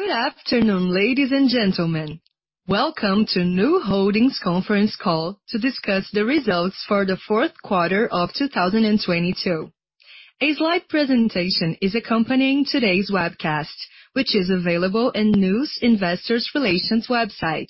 Good afternoon, ladies and gentlemen. Welcome to Nu Holdings conference call to discuss the results for the fourth quarter of 2022. A slide presentation is accompanying today's webcast, which is available in Nu's Investor Relations website,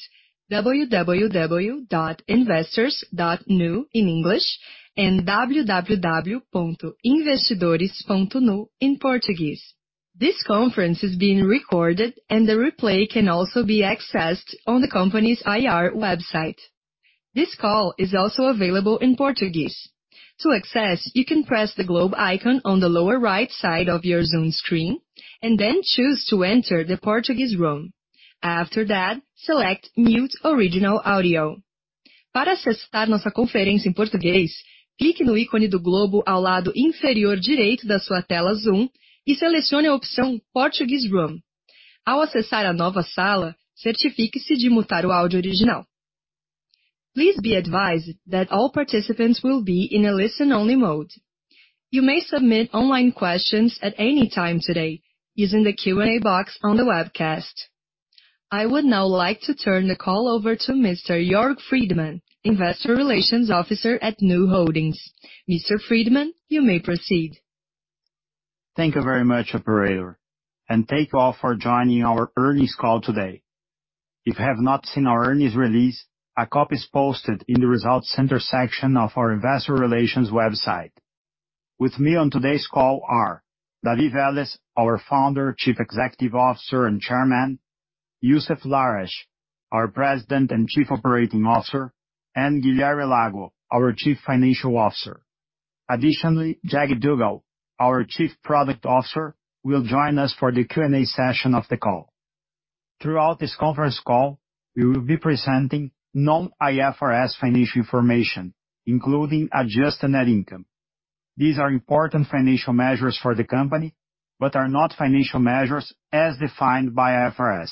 www.investors.nu, in English, and www.investidores.nu in Portuguese. This conference is being recorded, and the replay can also be accessed on the company's IR website. This call is also available in Portuguese. To access, you can press the globe icon on the lower right side of your Zoom screen, and then choose to enter the Portuguese Room. After that, select Mute Original Audio. Para acessar nossa conferência em português, clique no ícone do globo ao lado inferior direito da sua tela Zoom e selecione a opção Portuguese Room. Ao acessar a nova sala, certifique-se de mutar o áudio original. Please be advised that all participants will be in a listen-only mode. You may submit online questions at any time today using the Q&A box on the webcast. I would now like to turn the call over to Mr. Jörg Friedemann, Investor Relations Officer at Nu Holdings. Mr. Friedman, you may proceed. Thank you very much, operator, and thank you all for joining our earnings call today. If you have not seen our earnings release, a copy is posted in the Result Center section of our investor relations website. With me on today's call are David Vélez, our Founder, Chief Executive Officer, and Chairman, Youssef Lahrech, our President and Chief Operating Officer, and Guilherme Lago, our Chief Financial Officer. Additionally, Jag Duggal, our Chief Product Officer, will join us for the Q&A session of the call. Throughout this conference call, we will be presenting non-IFRS financial information, including adjusted net income. These are important financial measures for the company but are not financial measures as defined by IFRS.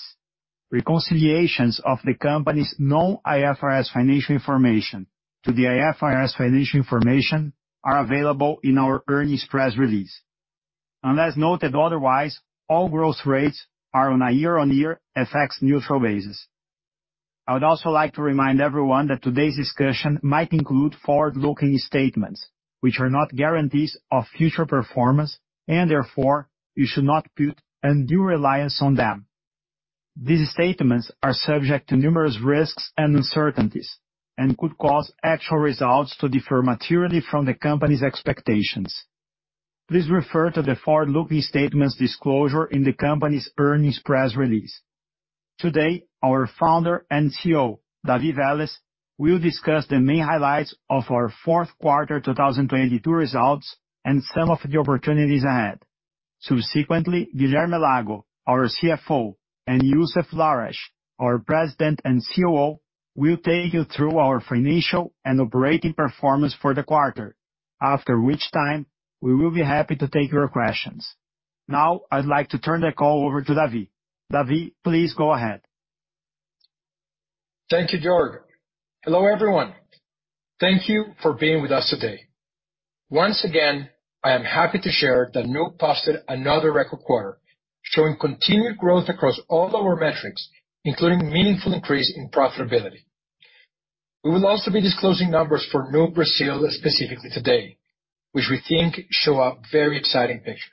Reconciliations of the company's non-IFRS financial information to the IFRS financial information are available in our earnings press release. Unless noted otherwise, all growth rates are on a year-on-year FX neutral basis. I would also like to remind everyone that today's discussion might include forward-looking statements, which are not guarantees of future performance, and therefore, you should not put undue reliance on them. These statements are subject to numerous risks and uncertainties and could cause actual results to differ materially from the company's expectations. Please refer to the forward-looking statements disclosure in the company's earnings press release. Today, our founder and CEO, David Vélez, will discuss the main highlights of our fourth quarter 2022 results and some of the opportunities ahead. Subsequently, Guilherme Lago, our CFO, and Youssef Lahrech, our President and COO, will take you through our financial and operating performance for the quarter, after which time we will be happy to take your questions. Now, I'd like to turn the call over to David. David, please go ahead. Thank you, Jörg. Hello, everyone. Thank you for being with us today. Once again, I am happy to share that Nu posted another record quarter, showing continued growth across all our metrics, including meaningful increase in profitability. We will also be disclosing numbers for Nu Brazil specifically today, which we think show a very exciting picture.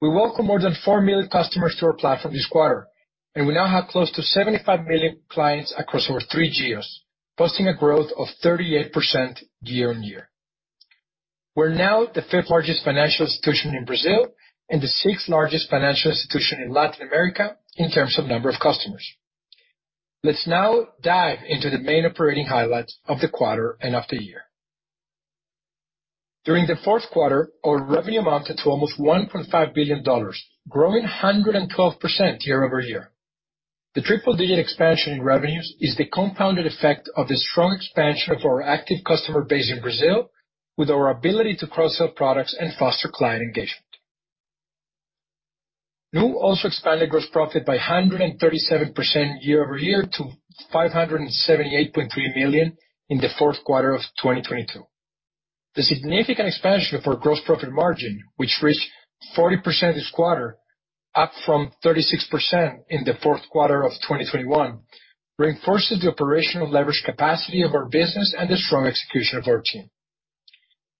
We welcome more than 4 million customers to our platform this quarter, and we now have close to 75 million clients across our three geos, posting a growth of 38% year-on-year. We're now the fifth-largest financial institution in Brazil and the sixth-largest financial institution in Latin America in terms of number of customers. Let's now dive into the main operating highlights of the quarter and of the year. During the fourth quarter, our revenue amounted to almost $1.5 billion, growing 112% year-over-year. The triple-digit expansion in revenues is the compounded effect of the strong expansion of our active customer base in Brazil with our ability to cross-sell products and foster client engagement. Nu also expanded gross profit by 137% year-over-year to $578.3 million in the fourth quarter of 2022. The significant expansion for gross profit margin, which reached 40% this quarter, up from 36% in the fourth quarter of 2021, reinforces the operational leverage capacity of our business and the strong execution of our team.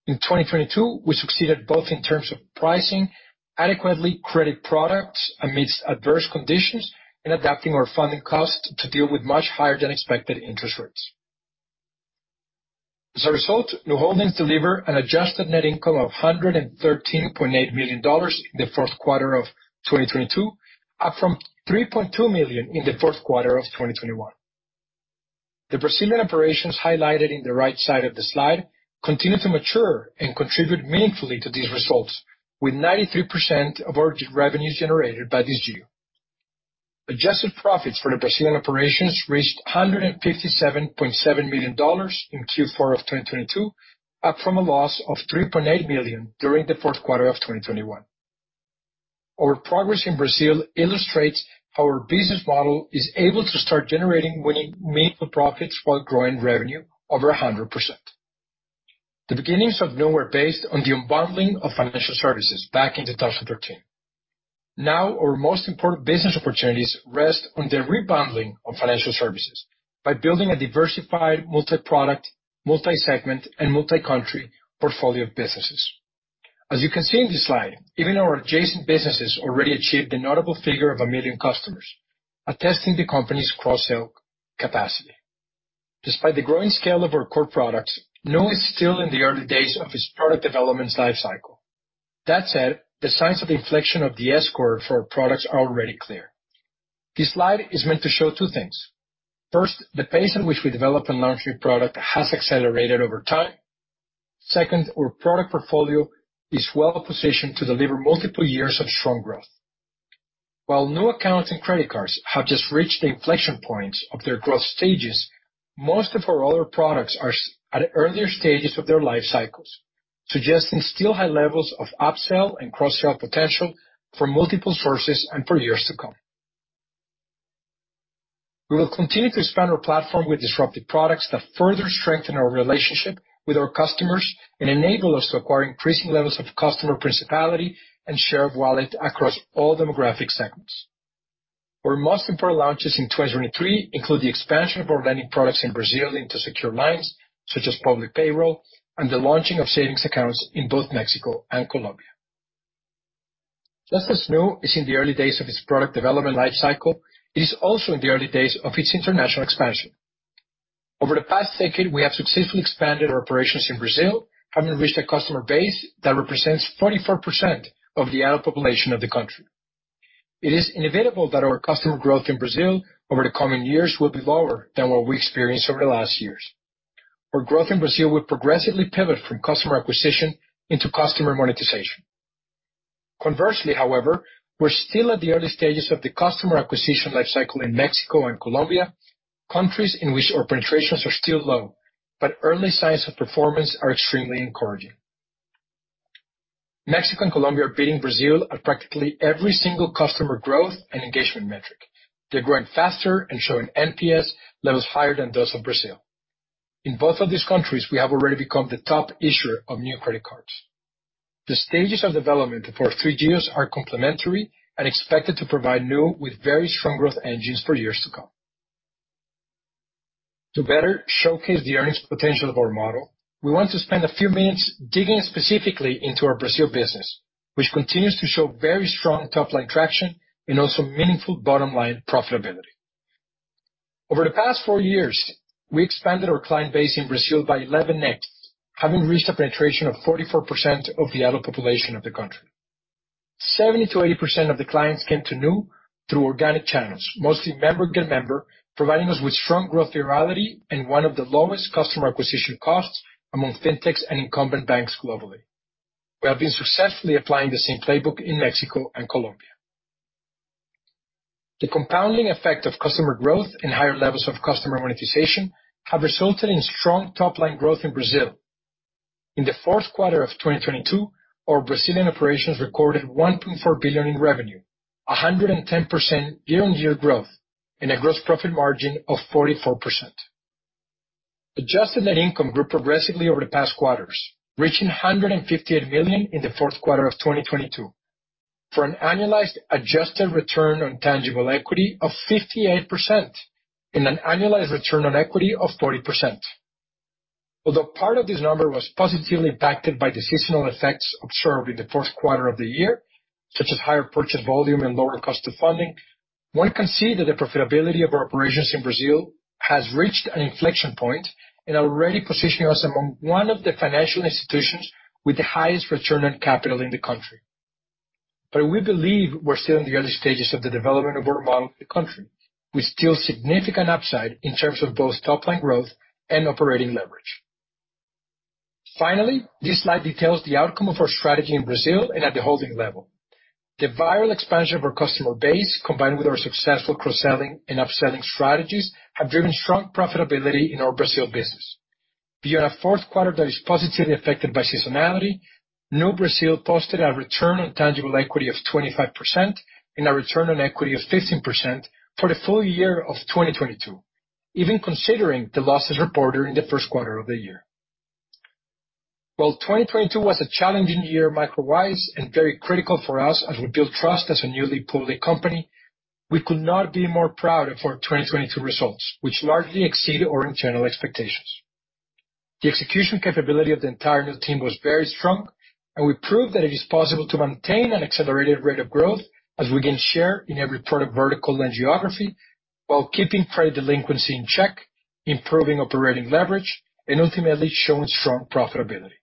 In 2022, we succeeded both in terms of pricing adequately credit products amidst adverse conditions and adapting our funding costs to deal with much higher than expected interest rates. As a result, Nu Holdings delivered an adjusted net income of $113.8 million in the fourth quarter of 2022, up from $3.2 million in the fourth quarter of 2021. The Brazilian operations highlighted in the right side of the slide continue to mature and contribute meaningfully to these results with 93% of our revenues generated by this geo. Adjusted profits for the Brazilian operations reached $157.7 million in Q4 of 2022, up from a loss of $3.8 million during the fourth quarter of 2021. Our progress in Brazil illustrates how our business model is able to start generating winning meaningful profits while growing revenue over 100%. The beginnings of Nu were based on the unbundling of financial services back in 2013. Now our most important business opportunities rest on the rebundling of financial services by building a diversified multi-product, multi-segment, and multi-country portfolio of businesses. As you can see in this slide, even our adjacent businesses already achieved the notable figure of one million customers, attesting the company's cross-sell capacity. Despite the growing scale of our core products, Nu is still in the early days of its product development life cycle. That said, the signs of inflection of the S-curve for our products are already clear. This slide is meant to show two things. First, the pace at which we develop and launch new product has accelerated over time. Second, our product portfolio is well-positioned to deliver multiple years of strong growth. While new accounts and credit cards have just reached the inflection points of their growth stages, most of our other products are at earlier stages of their life cycles, suggesting still high levels of upsell and cross-sell potential for multiple sources and for years to come. We will continue to expand our platform with disruptive products that further strengthen our relationship with our customers and enable us to acquire increasing levels of customer principality and share of wallet across all demographic segments. Our most important launches in 2023 include the expansion of our lending products in Brazil into secure lines, such as public payroll, and the launching of savings accounts in both Mexico and Colombia. Just as Nu is in the early days of its product development life cycle, it is also in the early days of its international expansion. Over the past decade, we have successfully expanded our operations in Brazil, having reached a customer base that represents 44% of the adult population of the country. It is inevitable that our customer growth in Brazil over the coming years will be lower than what we experienced over the last years. Our growth in Brazil will progressively pivot from customer acquisition into customer monetization. Conversely, however, we're still at the early stages of the customer acquisition life cycle in Mexico and Colombia, countries in which our penetrations are still low, but early signs of performance are extremely encouraging. Mexico and Colombia are beating Brazil at practically every single customer growth and engagement metric. They're growing faster and showing NPS levels higher than those of Brazil. In both of these countries, we have already become the top issuer of new credit cards. The stages of development for our three geos are complementary and expected to provide Nu with very strong growth engines for years to come. To better showcase the earnings potential of our model, we want to spend a few minutes digging specifically into our Brazil business, which continues to show very strong top-line traction and also meaningful bottom-line profitability. Over the past four years, we expanded our client base in Brazil by 11x, having reached a penetration of 44% of the adult population of the country. 70%-80% of the clients came to Nu through organic channels, mostly member-get-member, providing us with strong growth virality and one of the lowest customer acquisition costs among fintechs and incumbent banks globally. We have been successfully applying the same playbook in Mexico and Colombia. The compounding effect of customer growth and higher levels of customer monetization have resulted in strong top-line growth in Brazil. In the fourth quarter of 2022, our Brazilian operations recorded $1.4 billion in revenue, 110% year-on-year growth, and a gross profit margin of 44%. Adjusted net income grew progressively over the past quarters, reaching $158 million in the fourth quarter of 2022, for an annualized adjusted return on tangible equity of 58% and an annualized return on equity of 40%. Although part of this number was positively impacted by the seasonal effects observed in the first quarter of the year, such as higher purchase volume and lower cost of funding, one can see that the profitability of our operations in Brazil has reached an inflection point and already positioning us among one of the financial institutions with the highest return on capital in the country. We believe we're still in the early stages of the development of our model in the country, with still significant upside in terms of both top-line growth and operating leverage. Finally, this slide details the outcome of our strategy in Brazil and at the holding level. The viral expansion of our customer base, combined with our successful cross-selling and upselling strategies, have driven strong profitability in our Brazil business. Beyond a fourth quarter that is positively affected by seasonality, Nu Brazil posted a return on tangible equity of 25% and a return on equity of 15% for the full-year of 2022, even considering the losses reported in the first quarter of the year. While 2022 was a challenging year micro wise and very critical for us as we build trust as a newly public company, we could not be more proud of our 2022 results, which largely exceeded our internal expectations. We proved that it is possible to maintain an accelerated rate of growth as we gain share in every product vertical and geography while keeping credit delinquency in check, improving operating leverage, and ultimately showing strong profitability.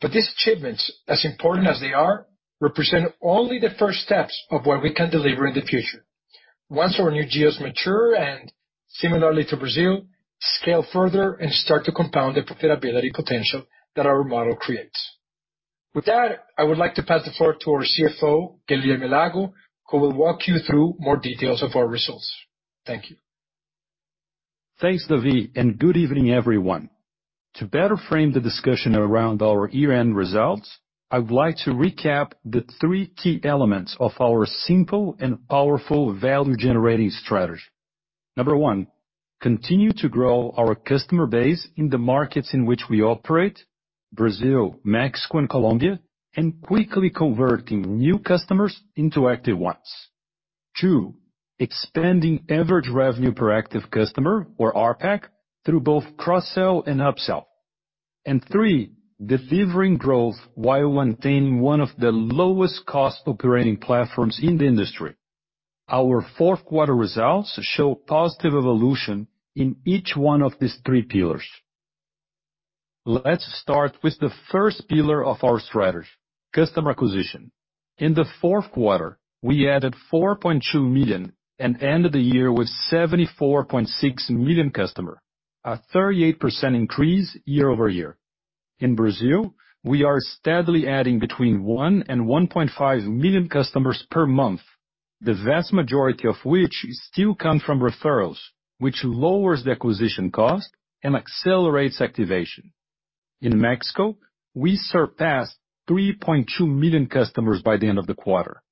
These achievements, as important as they are, represent only the first steps of what we can deliver in the future once our new geos mature and, similarly to Brazil, scale further and start to compound the profitability potential that our model creates. With that, I would like to pass the floor to our CFO, Guilherme Lago, who will walk you through more details of our results. Thank you. Thanks, David, good evening, everyone. To better frame the discussion around our year-end results, I would like to recap the three key elements of our simple and powerful value-generating strategy. Number one, continue to grow our customer base in the markets in which we operate, Brazil, Mexico and Colombia, and quickly converting new customers into active ones. Two, expanding average revenue per active customer or ARPAC through both cross-sell and up-sell. Three, delivering growth while maintaining one of the lowest cost operating platforms in the industry. Our fourth quarter results show positive evolution in each one of these three pillars. Let's start with the first pillar of our strategy, customer acquisition. In the fourth quarter, we added 4.2 million and ended the year with 74.6 million customer, a 38% increase year-over-year. In Brazil, we are steadily adding between one million and 1.5 million customers per month, the vast majority of which still come from referrals, which lowers the acquisition cost and accelerates activation. In Mexico, we surpassed 3.2 million customers by the end of the quarter.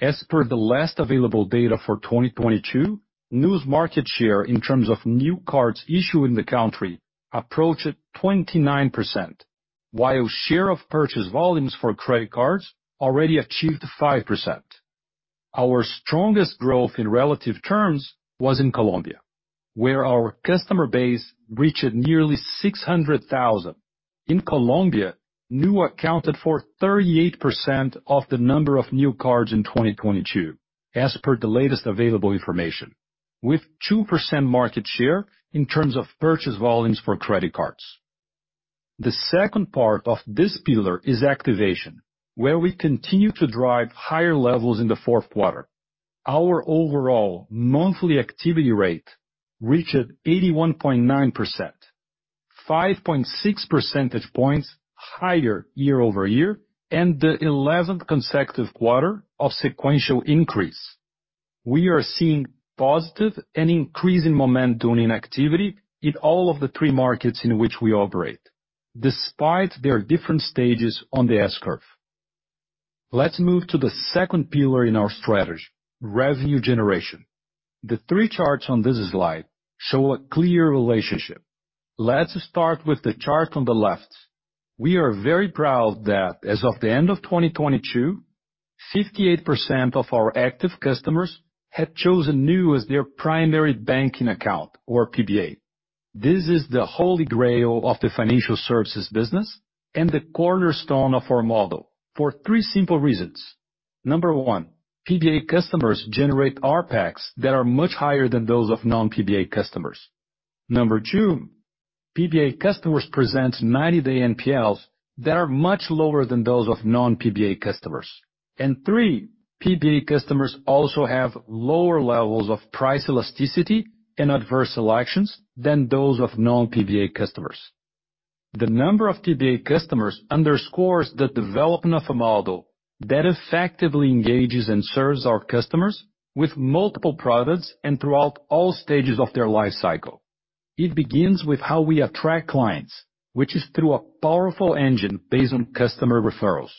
As per the last available data for 2022, Nu's market share in terms of new cards issued in the country approached 29%, while share of purchase volumes for credit cards already achieved 5%. Our strongest growth in relative terms was in Colombia, where our customer base reached nearly 600,000. In Colombia, Nu accounted for 38% of the number of new cards in 2022, as per the latest available information, with 2% market share in terms of purchase volumes for credit cards. The second part of this pillar is activation, where we continue to drive higher levels in the fourth quarter. Our overall monthly activity rate reached 81.9%, 5.6 percentage points higher year-over-year, and the 11th consecutive quarter of sequential increase. We are seeing positive and increasing momentum during activity in all of the three markets in which we operate, despite their different stages on the S-curve. Let's move to the second pillar in our strategy, revenue generation. The three charts on this slide show a clear relationship. Let's start with the chart on the left. We are very proud that as of the end of 2022, 58% of our active customers had chosen Nu as their primary banking account or PBA. This is the holy grail of the financial services business and the cornerstone of our model for three simple reasons. One, PBA customers generate ARPACs that are much higher than those of non-PBA customers. Two, PBA customers present 90-day NPLs that are much lower than those of non-PBA customers. Three, PBA customers also have lower levels of price elasticity and adverse elections than those of non-PBA customers. The number of PBA customers underscores the development of a model that effectively engages and serves our customers with multiple products and throughout all stages of their life cycle. It begins with how we attract clients, which is through a powerful engine based on customer referrals.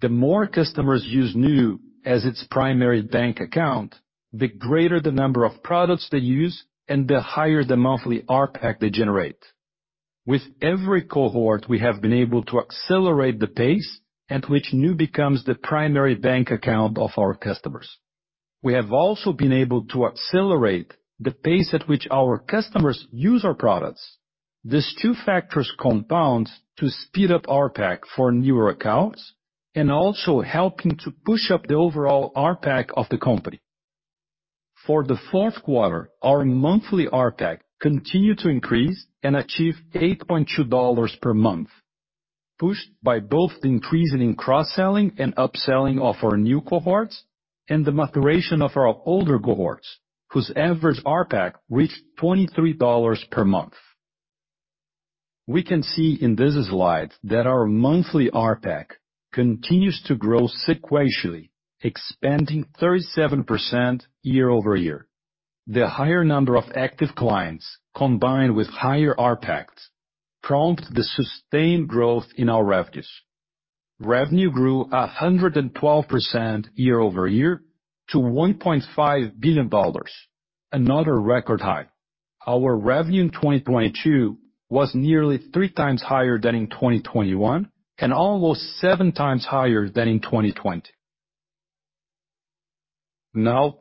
The more customers use Nu as its primary bank account, the greater the number of products they use and the higher the monthly ARPAC they generate. With every cohort, we have been able to accelerate the pace at which Nu becomes the primary bank account of our customers. We have also been able to accelerate the pace at which our customers use our products. These two factors compound to speed up ARPAC for newer accounts and also helping to push up the overall ARPAC of the company. For the fourth quarter, our monthly ARPAC continued to increase and achieve $8.2 per month, pushed by both the increasing in cross-selling and upselling of our new cohorts and the maturation of our older cohorts, whose average ARPAC reached $23 per month. We can see in this slide that our monthly ARPAC continues to grow sequentially, expanding 37% year-over-year. The higher number of active clients, combined with higher ARPACs, prompt the sustained growth in our revenues. Revenue grew 112% year-over-year to $1.5 billion, another record high. Our revenue in 2022 was nearly three times higher than in 2021, almost seven times higher than in 2020.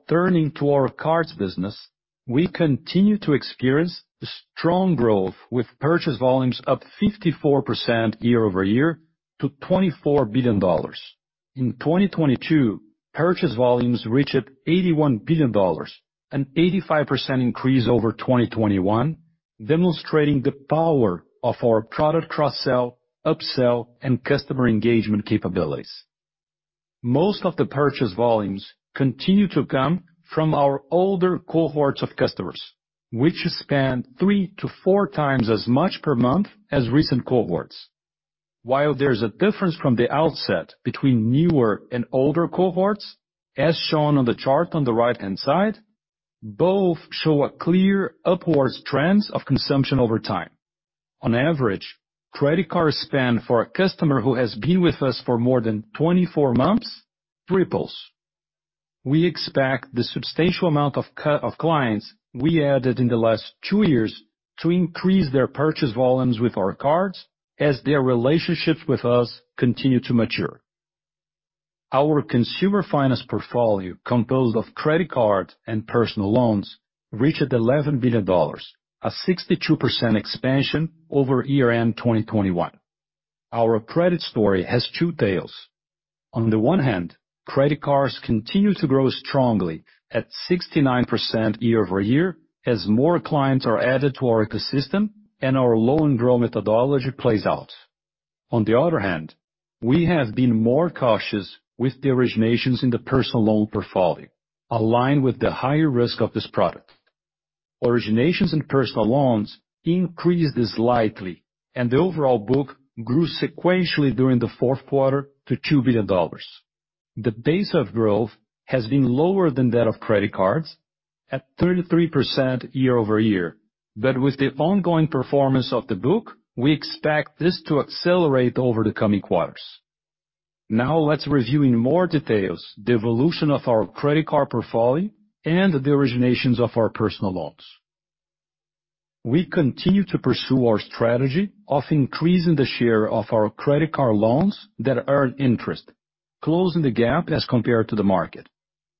Turning to our cards business, we continue to experience strong growth with purchase volumes up 54% year-over-year to $24 billion. In 2022, purchase volumes reached $81 billion, an 85% increase over 2021, demonstrating the power of our product cross-sell, up-sell, and customer engagement capabilities. Most of the purchase volumes continue to come from our older cohorts of customers, which spend three to four times as much per month as recent cohorts. While there's a difference from the outset between newer and older cohorts, as shown on the chart on the right-hand side, both show a clear upwards trend of consumption over time. On average, credit card spend for a customer who has been with us for more than 24 months triples. We expect the substantial amount of clients we added in the last two years to increase their purchase volumes with our cards as their relationships with us continue to mature. Our consumer finance portfolio, composed of credit card and personal loans, reached $11 billion, a 62% expansion over year-end 2021. Our credit story has two tales. On the one hand, credit cards continue to grow strongly at 69% year-over-year as more clients are added to our ecosystem and our loan grow methodology plays out. On the other hand, we have been more cautious with the originations in the personal loan portfolio, aligned with the higher risk of this product. Originations and personal loans increased slightly, and the overall book grew sequentially during the fourth quarter to $2 billion. The pace of growth has been lower than that of credit cards at 33% year-over-year. With the ongoing performance of the book, we expect this to accelerate over the coming quarters. Now let's review in more details the evolution of our credit card portfolio and the originations of our personal loans. We continue to pursue our strategy of increasing the share of our credit card loans that earn interest, closing the gap as compared to the market.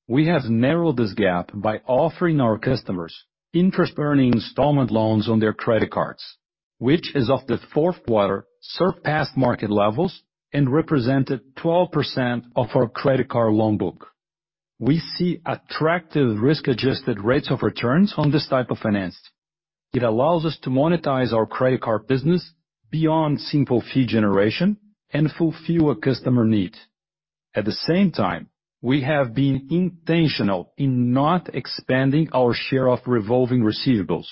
We have narrowed this gap by offering our customers interest-earning installment loans on their credit cards, which as of the fourth quarter surpassed market levels and represented 12% of our credit card loan book. We see attractive risk-adjusted rates of returns on this type of finance. It allows us to monetize our credit card business beyond simple fee generation and fulfill a customer need. At the same time, we have been intentional in not expanding our share of revolving receivables,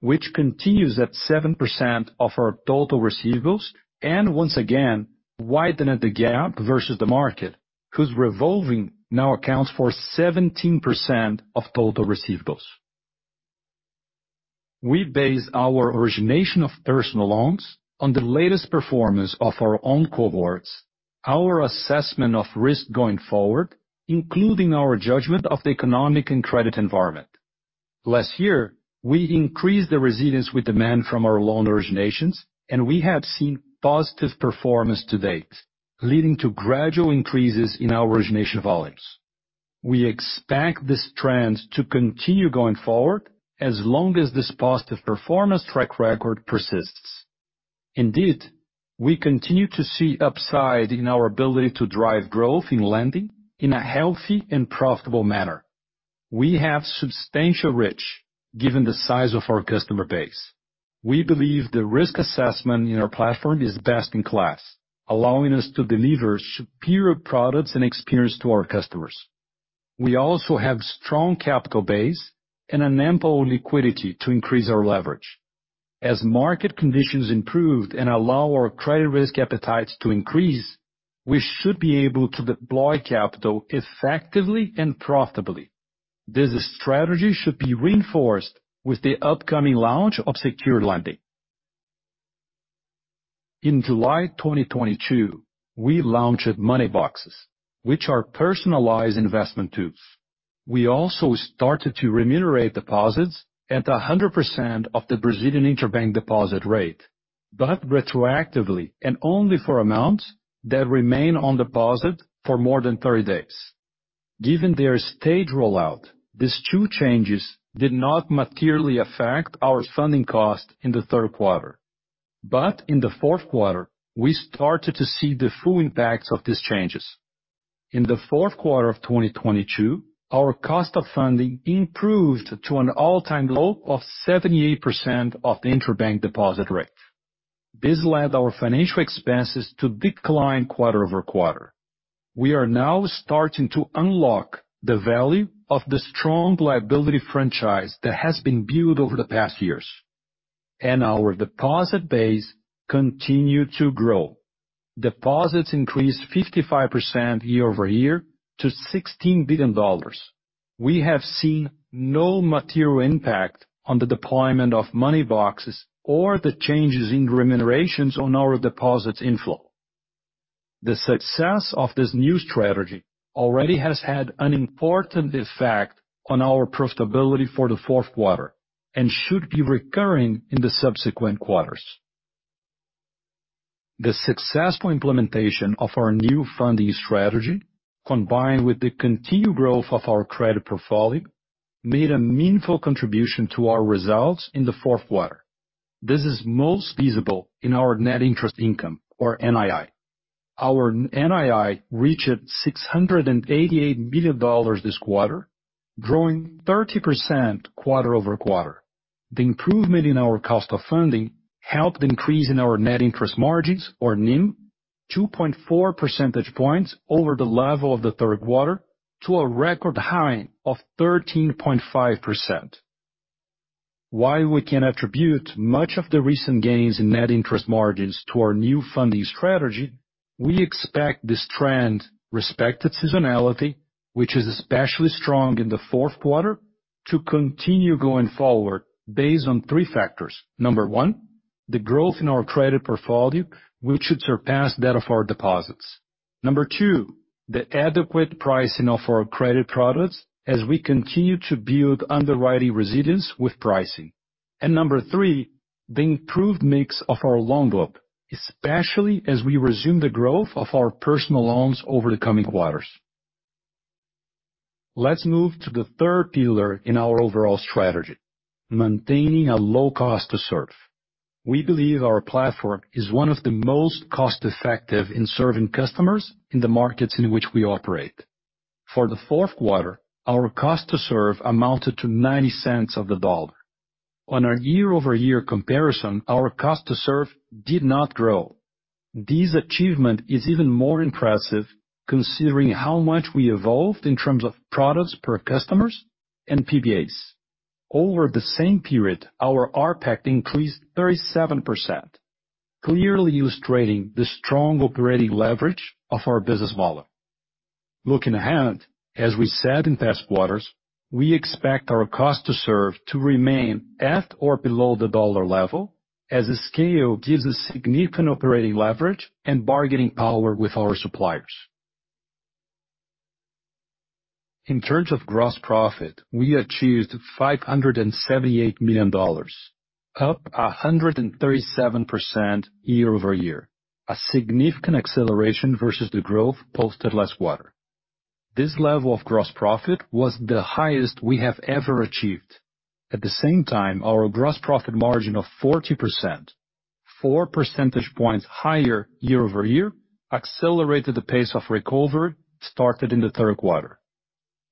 which continues at 7% of our total receivables, and once again, widening the gap versus the market, whose revolving now accounts for 17% of total receivables. We base our origination of personal loans on the latest performance of our own cohorts, our assessment of risk going forward, including our judgment of the economic and credit environment. We have seen positive performance to date, leading to gradual increases in our origination volumes. We expect this trend to continue going forward as long as this positive performance track record persists. Indeed, we continue to see upside in our ability to drive growth in lending in a healthy and profitable manner. We have substantial reach given the size of our customer base. We believe the risk assessment in our platform is best in class, allowing us to deliver superior products and experience to our customers. We also have strong capital base and an ample liquidity to increase our leverage. As market conditions improve and allow our credit risk appetite to increase, we should be able to deploy capital effectively and profitably. This strategy should be reinforced with the upcoming launch of secured lending. In July 2022, we launched Money Boxes, which are personalized investment tools. We also started to remunerate deposits at 100% of the Brazilian interbank deposit rate, retroactively and only for amounts that remain on deposit for more than 30 days. Given their staged rollout, these two changes did not materially affect our funding cost in the third quarter. In the fourth quarter, we started to see the full impacts of these changes. In the fourth quarter of 2022, our cost of funding improved to an all-time low of 78% of the interbank deposit rate. This led our financial expenses to decline quarter-over-quarter. We are now starting to unlock the value of the strong liability franchise that has been built over the past years. Our deposit base continued to grow. Deposits increased 55% year-over-year to $16 billion. We have seen no material impact on the deployment of Money Boxes or the changes in remunerations on our deposits inflow. The success of this new strategy already has had an important effect on our profitability for the fourth quarter and should be recurring in the subsequent quarters. The successful implementation of our new funding strategy, combined with the continued growth of our credit portfolio, made a meaningful contribution to our results in the fourth quarter. This is most visible in our net interest income or NII. Our NII reached $688 million this quarter, growing 30% quarter-over-quarter. The improvement in our cost of funding helped increase in our net interest margins or NIM 2.4 percentage points over the level of the third quarter to a record high of 13.5%. While we can attribute much of the recent gains in net interest margins to our new funding strategy, we expect this trend, respected seasonality, which is especially strong in the fourth quarter to continue going forward based on three factors. Number one, the growth in our credit portfolio, which should surpass that of our deposits. Number two, the adequate pricing of our credit products as we continue to build underwriting resilience with pricing. Number three, the improved mix of our loan book, especially as we resume the growth of our personal loans over the coming quarters. Let's move to the third pillar in our overall strategy, maintaining a low cost to serve. We believe our platform is one of the most cost-effective in serving customers in the markets in which we operate. For the fourth quarter, our cost to serve amounted to $0.90. On our year-over-year comparison, our cost to serve did not grow. This achievement is even more impressive considering how much we evolved in terms of products per customers and PBAs. Over the same period, our ARPAC increased 37%, clearly illustrating the strong operating leverage of our business model. Looking ahead, as we said in past quarters, we expect our cost to serve to remain at or below the dollar level as the scale gives us significant operating leverage and bargaining power with our suppliers. In terms of gross profit, we achieved $578 million, up 137% year-over-year, a significant acceleration versus the growth posted last quarter. This level of gross profit was the highest we have ever achieved. At the same time, our gross profit margin of 40%, 4 percentage points higher year-over-year, accelerated the pace of recovery started in the third quarter.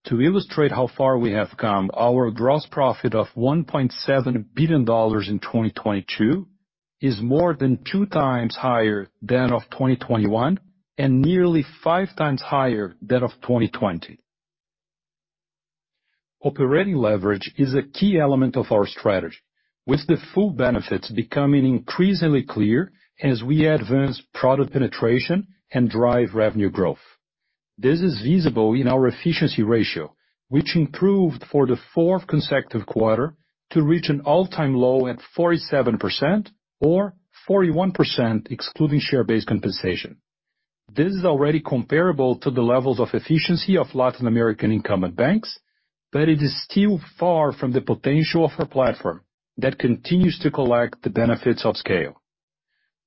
To illustrate how far we have come, our gross profit of $1.7 billion in 2022 is more than two times higher than of 2021, and nearly five times higher than of 2020. Operating leverage is a key element of our strategy. With the full benefits becoming increasingly clear as we advance product penetration and drive revenue growth. This is visible in our efficiency ratio, which improved for the fourth consecutive quarter to reach an all-time low at 47% or 41% excluding share-based compensation. This is already comparable to the levels of efficiency of Latin American incumbent banks, but it is still far from the potential of our platform that continues to collect the benefits of scale.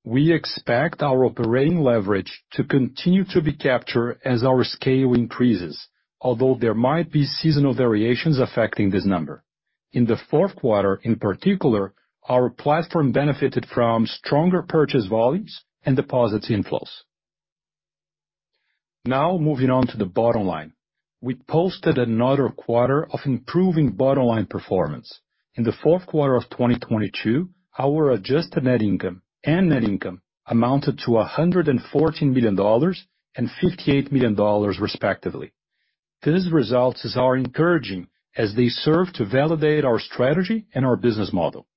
We expect our operating leverage to continue to be captured as our scale increases, although there might be seasonal variations affecting this number. In the fourth quarter, in particular, our platform benefited from stronger purchase volumes and deposits inflows. Moving on to the bottom line. We posted another quarter of improving bottom line performance. In the fourth quarter of 2022, our adjusted net income and net income amounted to $114 million and $58 million respectively. These results are encouraging as they serve to validate our strategy and our business model.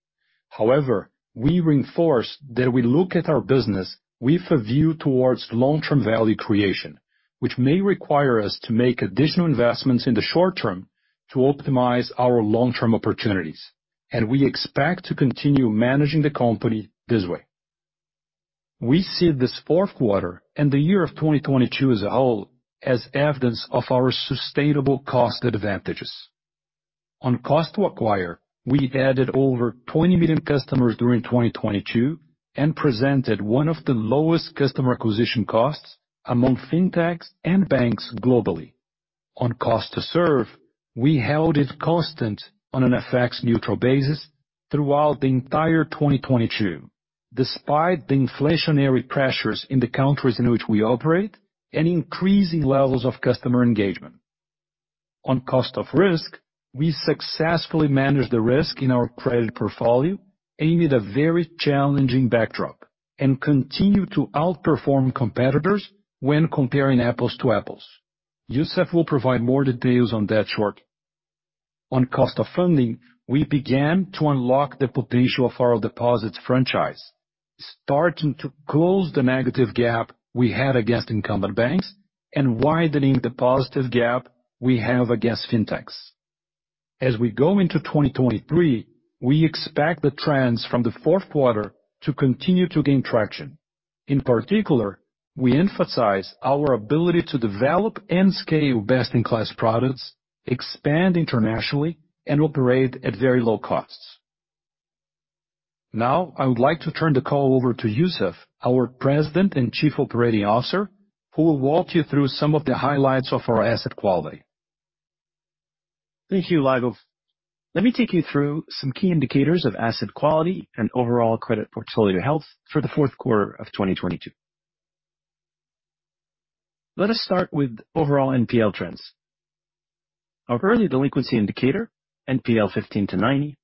However, we reinforce that we look at our business with a view towards long-term value creation, which may require us to make additional investments in the short term to optimize our long-term opportunities, and we expect to continue managing the company this way. We see this fourth quarter and the year of 2022 as a whole as evidence of our sustainable cost advantages. On cost to acquire, we added over 20 million customers during 2022 and presented one of the lowest customer acquisition costs among fintechs and banks globally. On cost to serve, we held it constant on an FX neutral basis throughout the entire 2022, despite the inflationary pressures in the countries in which we operate and increasing levels of customer engagement. On cost of risk, we successfully managed the risk in our credit portfolio amid a very challenging backdrop, and continue to outperform competitors when comparing apples to apples. Youssef will provide more details on that short. On cost of funding, we began to unlock the potential of our deposits franchise, starting to close the negative gap we had against incumbent banks and widening the positive gap we have against fintechs. As we go into 2023, we expect the trends from the fourth quarter to continue to gain traction. In particular, we emphasize our ability to develop and scale best-in-class products, expand internationally, and operate at very low costs. Now I would like to turn the call over to Youssef, our President and Chief Operating Officer, who will walk you through some of the highlights of our asset quality. Thank you, Lago. Let me take you through some key indicators of asset quality and overall credit portfolio health for the fourth quarter of 2022. Let us start with overall NPL trends. Our early delinquency indicator, NPL 15 to 90,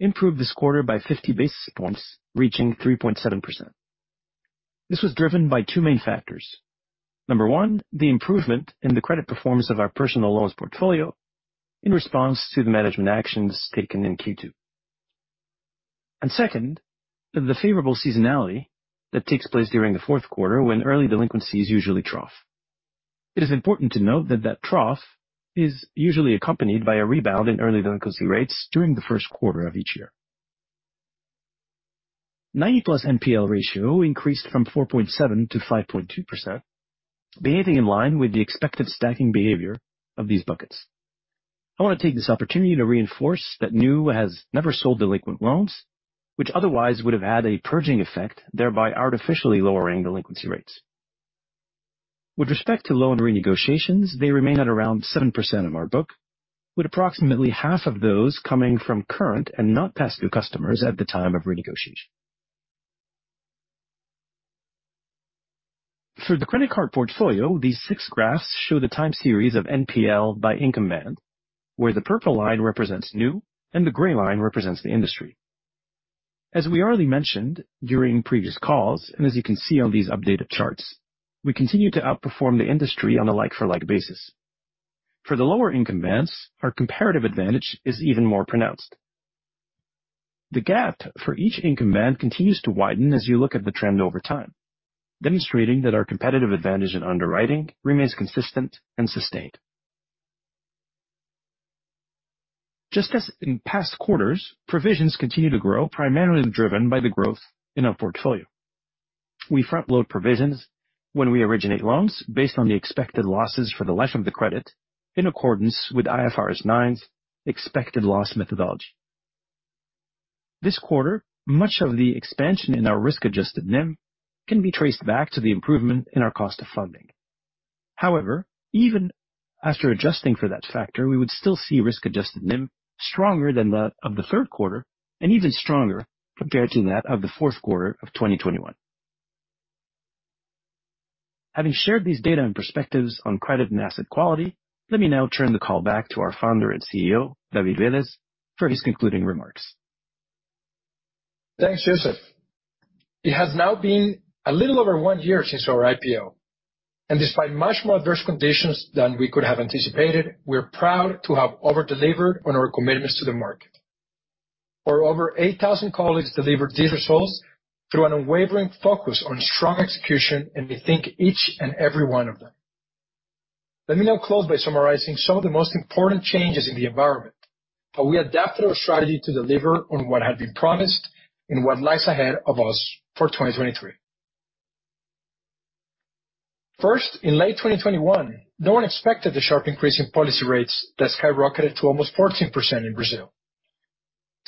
improved this quarter by 50 basis points, reaching 3.7%. This was driven by two main factors. Number one, the improvement in the credit performance of our personal loans portfolio in response to the management actions taken in Q2. Second, the favorable seasonality that takes place during the fourth quarter when early delinquencies usually trough. It is important to note that that trough is usually accompanied by a rebound in early delinquency rates during the first quarter of each year. 90+ NPL ratio increased from 4.7% to 5.2%, behaving in line with the expected stacking behavior of these buckets. I wanna take this opportunity to reinforce that Nu has never sold delinquent loans, which otherwise would have had a purging effect, thereby artificially lowering delinquency rates. With respect to loan renegotiations, they remain at around 7% of our book, with approximately half of those coming from current and not past due customers at the time of renegotiation. For the credit card portfolio, these six graphs show the time series of NPL by income band, where the purple line represents Nu and the gray line represents the industry. As we already mentioned during previous calls, and as you can see on these updated charts, we continue to outperform the industry on a like-for-like basis. For the lower income bands, our comparative advantage is even more pronounced. The gap for each income band continues to widen as you look at the trend over time, demonstrating that our competitive advantage in underwriting remains consistent and sustained. Just as in past quarters, provisions continue to grow, primarily driven by the growth in our portfolio. We front-load provisions when we originate loans based on the expected losses for the life of the credit in accordance with IFRS 9's expected loss methodology. This quarter, much of the expansion in our risk-adjusted NIM can be traced back to the improvement in our cost of funding. Even after adjusting for that factor, we would still see risk-adjusted NIM stronger than that of the third quarter and even stronger compared to that of the fourth quarter of 2021. Having shared these data and perspectives on credit and asset quality, let me now turn the call back to our Founder and CEO, David Vélez, for his concluding remarks. Thanks, Youssef. It has now been a little over one year since our IPO, and despite much more adverse conditions than we could have anticipated, we're proud to have over-delivered on our commitments to the market. Our over 8,000 colleagues delivered these results through an unwavering focus on strong execution, and we thank each and every one of them. Let me now close by summarizing some of the most important changes in the environment, how we adapted our strategy to deliver on what had been promised, and what lies ahead of us for 2023. First, in late 2021, no one expected the sharp increase in policy rates that skyrocketed to almost 14% in Brazil.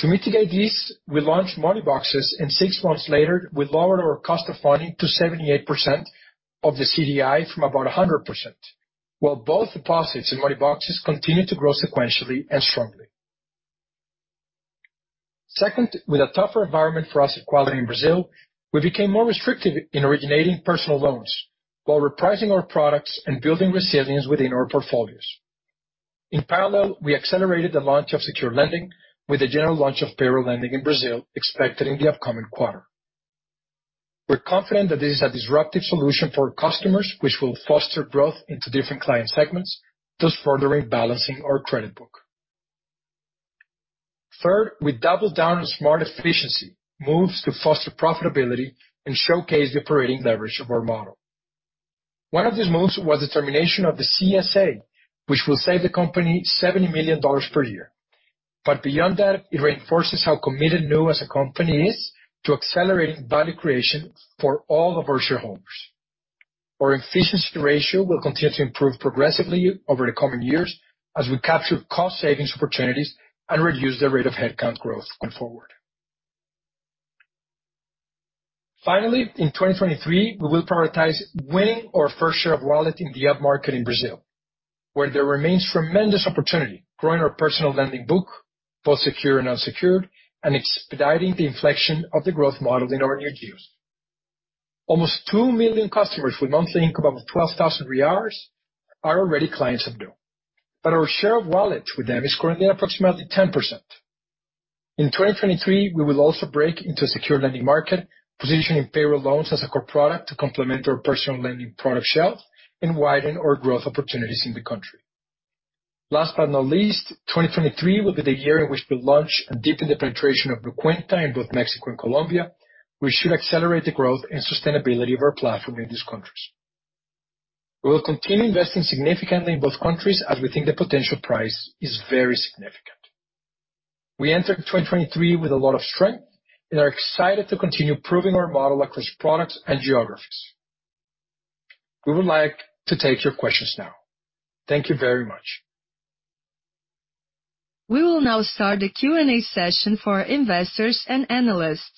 To mitigate this, we launched Money Boxes, and six months later, we lowered our cost of funding to 78% of the CDI from about 100%, while both deposits and Money Boxes continued to grow sequentially and strongly. Second, with a tougher environment for asset quality in Brazil, we became more restrictive in originating personal loans while repricing our products and building resilience within our portfolios. In parallel, we accelerated the launch of secure lending with the general launch of payroll lending in Brazil expected in the upcoming quarter. We're confident that this is a disruptive solution for customers which will foster growth into different client segments, thus furthering balancing our credit book. Third, we doubled down on smart efficiency moves to foster profitability and showcase the operating leverage of our model. One of these moves was the termination of the CSA, which will save the company $70 million per year. Beyond that, it reinforces how committed Nu as a company is to accelerating value creation for all of our shareholders. Our efficiency ratio will continue to improve progressively over the coming years as we capture cost savings opportunities and reduce the rate of headcount growth going forward. Finally, in 2023, we will prioritize winning our first share of wallet in the upmarket in Brazil, where there remains tremendous opportunity growing our personal lending book, both secure and unsecured, and expediting the inflection of the growth model in our new geos. Almost two million customers with monthly income of 12,000 are already clients of Nu. Our share of wallet with them is currently approximately 10%. In 2023, we will also break into a secure lending market, positioning payroll loans as a core product to complement our personal lending product shelf and widen our growth opportunities in the country. Last but not least, 2023 will be the year in which we'll launch and deepen the penetration of Cuenta Nu in both Mexico and Colombia. We should accelerate the growth and sustainability of our platform in these countries. We will continue investing significantly in both countries as we think the potential price is very significant. We enter 2023 with a lot of strength and are excited to continue proving our model across products and geographies. We would like to take your questions now. Thank you very much. We will now start the Q&A session for our investors and analysts.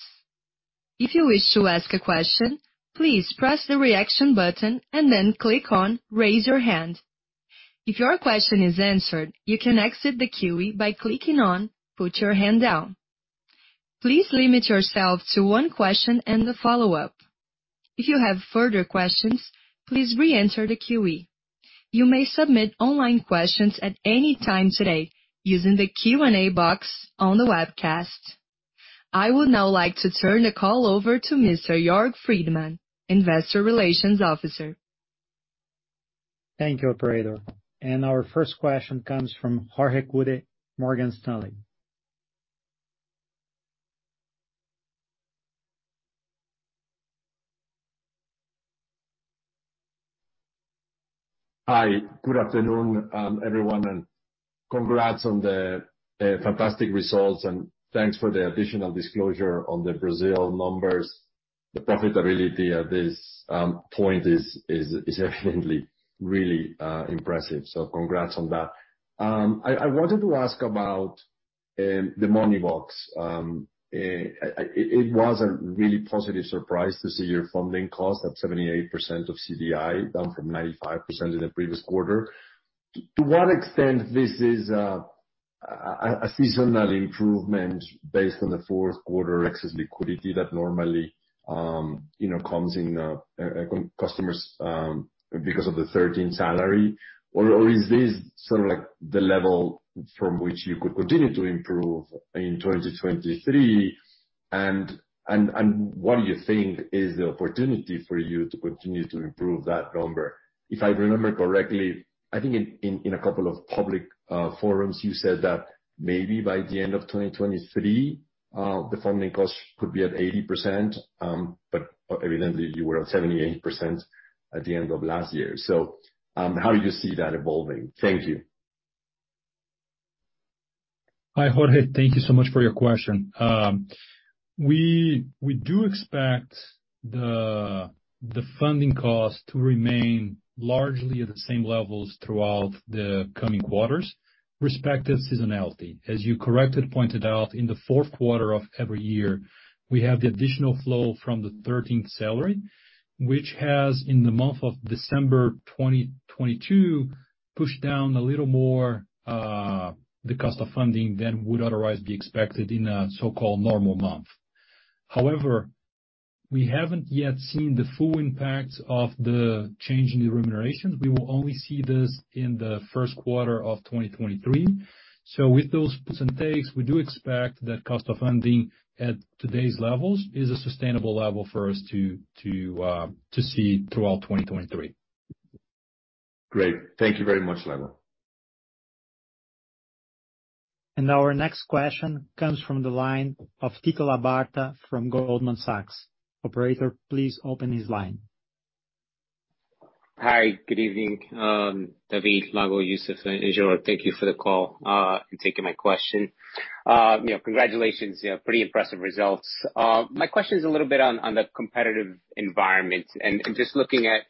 If you wish to ask a question, please press the Reaction button and then click on Raise Your Hand. If your question is answered, you can exit the queue by clicking on Put Your Hand Down. Please limit yourself to one question and a follow-up. If you have further questions, please reenter the queue. You may submit online questions at any time today using the Q&A box on the webcast. I would now like to turn the call over to Mr. Jörg Friedemann, Investor Relations Officer. Thank you, operator. Our first question comes from Jorge Kuri, Morgan Stanley. Hi, good afternoon, everyone, congrats on the fantastic results, and thanks for the additional disclosure on the Brazil numbers. The profitability at this point is evidently really impressive. Congrats on that. I wanted to ask about the Moneybox. It was a really positive surprise to see your funding cost at 78% of CDI, down from 95% in the previous quarter. To what extent this is a seasonal improvement based on the fourth quarter excess liquidity that normally, you know, comes in customers because of the thirteenth salary? Is this sort of like the level from which you could continue to improve in 2023? What do you think is the opportunity for you to continue to improve that number? If I remember correctly, I think in a couple of public forums, you said that maybe by the end of 2023, the funding cost could be at 80%, but evidently you were at 78% at the end of last year. How do you see that evolving? Thank you. Hi, Jorge. Thank you so much for your question. We do expect the funding cost to remain largely at the same levels throughout the coming quarters, respective seasonality. As you correctly pointed out, in the fourth quarter of every year, we have the additional flow from the 13th salary, which has, in the month of December 2022, pushed down a little more, the cost of funding than would otherwise be expected in a so-called normal month. However, we haven't yet seen the full impact of the change in the remuneration. We will only see this in the 1st quarter of 2023. With those gives and takes, we do expect that cost of funding at today's levels is a sustainable level for us to see throughout 2023. Great. Thank you very much, Lago. Our next question comes from the line of Tito Labarta from Goldman Sachs. Operator, please open his line. Hi, good evening, David, Lago, Youssef, and Jag. Thank you for the call, and taking my question. You know, congratulations. You know, pretty impressive results. My question is a little bit on the competitive environment. Just looking at,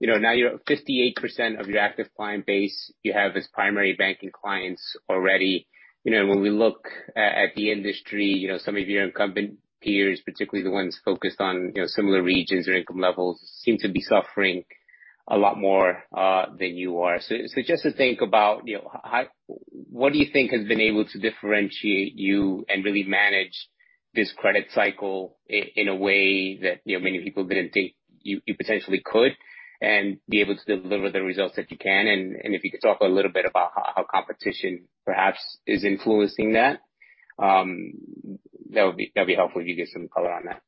you know, now you're at 58% of your active client base you have as primary banking clients already. You know, when we look at the industry, you know, some of your incumbent peers, particularly the ones focused on, you know, similar regions or income levels, seem to be suffering a lot more than you are. Just to think about, you know, how... What do you think has been able to differentiate you and really manage this credit cycle in a way that, you know, many people didn't think you potentially could and be able to deliver the results that you can? If you could talk a little bit about how competition perhaps is influencing that'd be helpful if you give some color on that.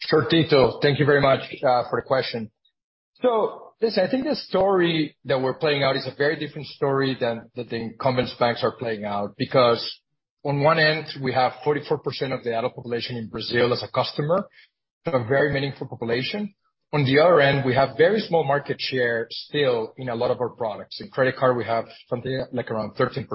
Sure, Tito. Thank you very much for the question. Listen, I think the story that we're playing out is a very different story than the incumbents banks are playing out because on one end, we have 44% of the adult population in Brazil as a customer. A very meaningful population. On the other end, we have very small market share still in a lot of our products. In credit card, we have something like around 13%.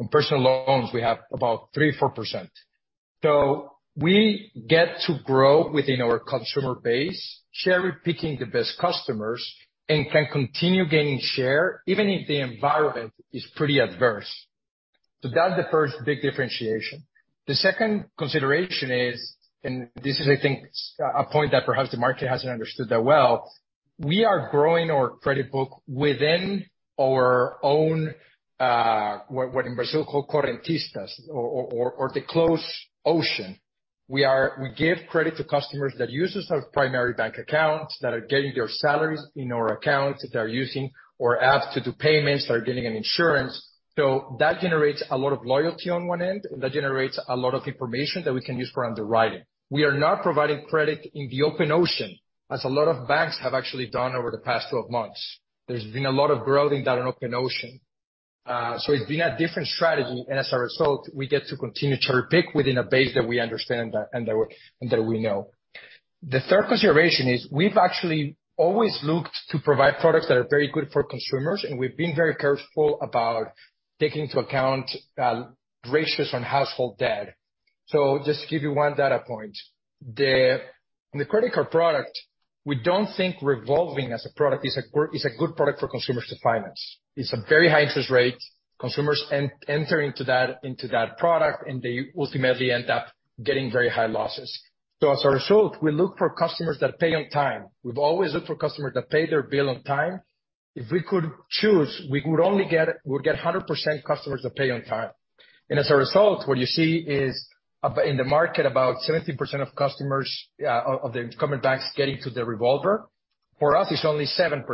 On personal loans, we have about 3%, 4%. We get to grow within our consumer base, cherry-picking the best customers, and can continue gaining share even if the environment is pretty adverse. That's the first big differentiation. The second consideration is, this is I think a point that perhaps the market hasn't understood that well, we are growing our credit book within our own, what in Brazil called correntistas or the close ocean. We give credit to customers that use our primary bank accounts, that are getting their salaries in our accounts, that are using our apps to do payments or getting an insurance. That generates a lot of loyalty on one end, and that generates a lot of information that we can use for underwriting. We are not providing credit in the open ocean, as a lot of banks have actually done over the past 12 months. There's been a lot of growth in that open ocean. It's been a different strategy. As a result, we get to continue to cherry-pick within a base that we understand and that we know. The third consideration is we've actually always looked to provide products that are very good for consumers, and we've been very careful about taking into account ratios on household debt. Just to give you one data point. The credit card product, we don't think revolving as a product is a good product for consumers to finance. It's a very high interest rate. Consumers enter into that product, and they ultimately end up getting very high losses. As a result, we look for customers that pay on time. We've always looked for customers that pay their bill on time. If we could choose, we would get 100% customers that pay on time. As a result, what you see is in the market, about 70% of customers of the incumbent banks getting to the revolver. For us, it's only 7%.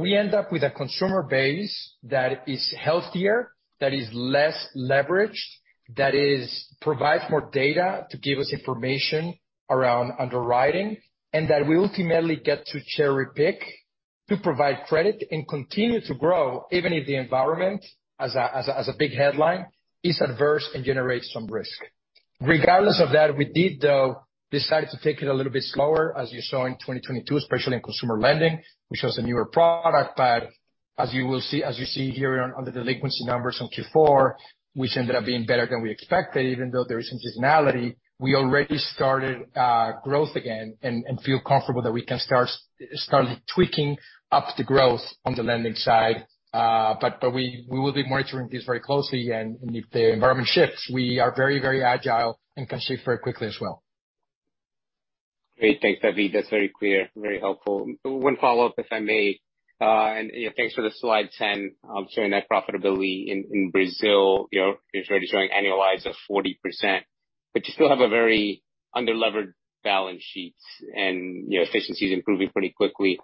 We end up with a consumer base that is healthier, that is less leveraged, that provides more data to give us information around underwriting, and that we ultimately get to cherry-pick to provide credit and continue to grow, even if the environment, as a big headline, is adverse and generates some risk. Regardless of that, we did, though, decide to take it a little bit slower, as you saw in 2022, especially in consumer lending, which was a newer product. As you will see, as you see here on the delinquency numbers on Q4, which ended up being better than we expected, even though there is some seasonality, we already started growth again and feel comfortable that we can start tweaking up the growth on the lending side. We will be monitoring this very closely. If the environment shifts, we are very agile and can shift very quickly as well. Great. Thanks, David. That's very clear, very helpful. One follow-up, if I may. You know, thanks for the slide 10, showing that profitability in Brazil, you know, it's already showing annualized of 40%. You still have a very underlevered balance sheet and, you know, efficiency's improving pretty quickly.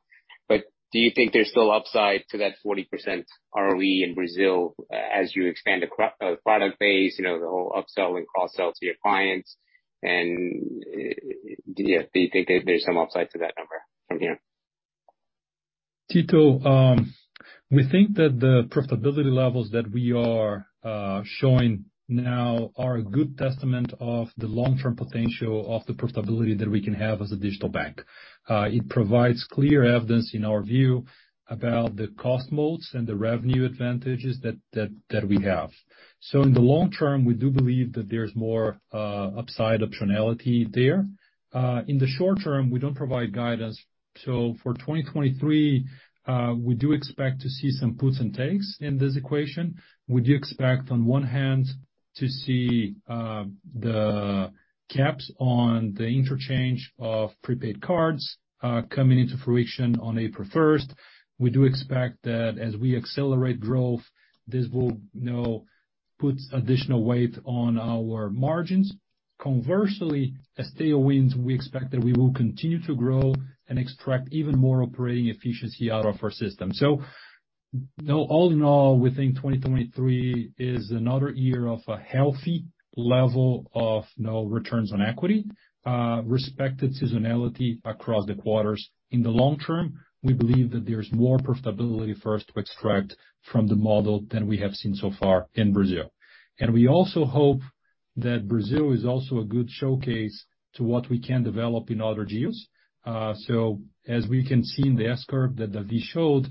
Do you think there's still upside to that 40% ROE in Brazil as you expand the product base, you know, the whole upsell and cross-sell to your clients? Do you think there's some upside to that number from here? Tito, we think that the profitability levels that we are showing now are a good testament of the long-term potential of the profitability that we can have as a digital bank. It provides clear evidence in our view about the cost molds and the revenue advantages that we have. In the long term, we do believe that there's more upside optionality there. In the short term, we don't provide guidance. For 2023, we do expect to see some puts and takes in this equation. We do expect, on one hand, to see the caps on the interchange of prepaid cards coming into fruition on April 1st. We do expect that as we accelerate growth, this will, you know, put additional weight on our margins. Conversely, as tailwinds, we expect that we will continue to grow and extract even more operating efficiency out of our system. All in all, we think 2023 is another year of a healthy level of, you know, returns on equity, respected seasonality across the quarters. In the long term, we believe that there's more profitability for us to extract from the model than we have seen so far in Brazil. We also hope that Brazil is also a good showcase to what we can develop in other geos. As we can see in the S-curve that David showed,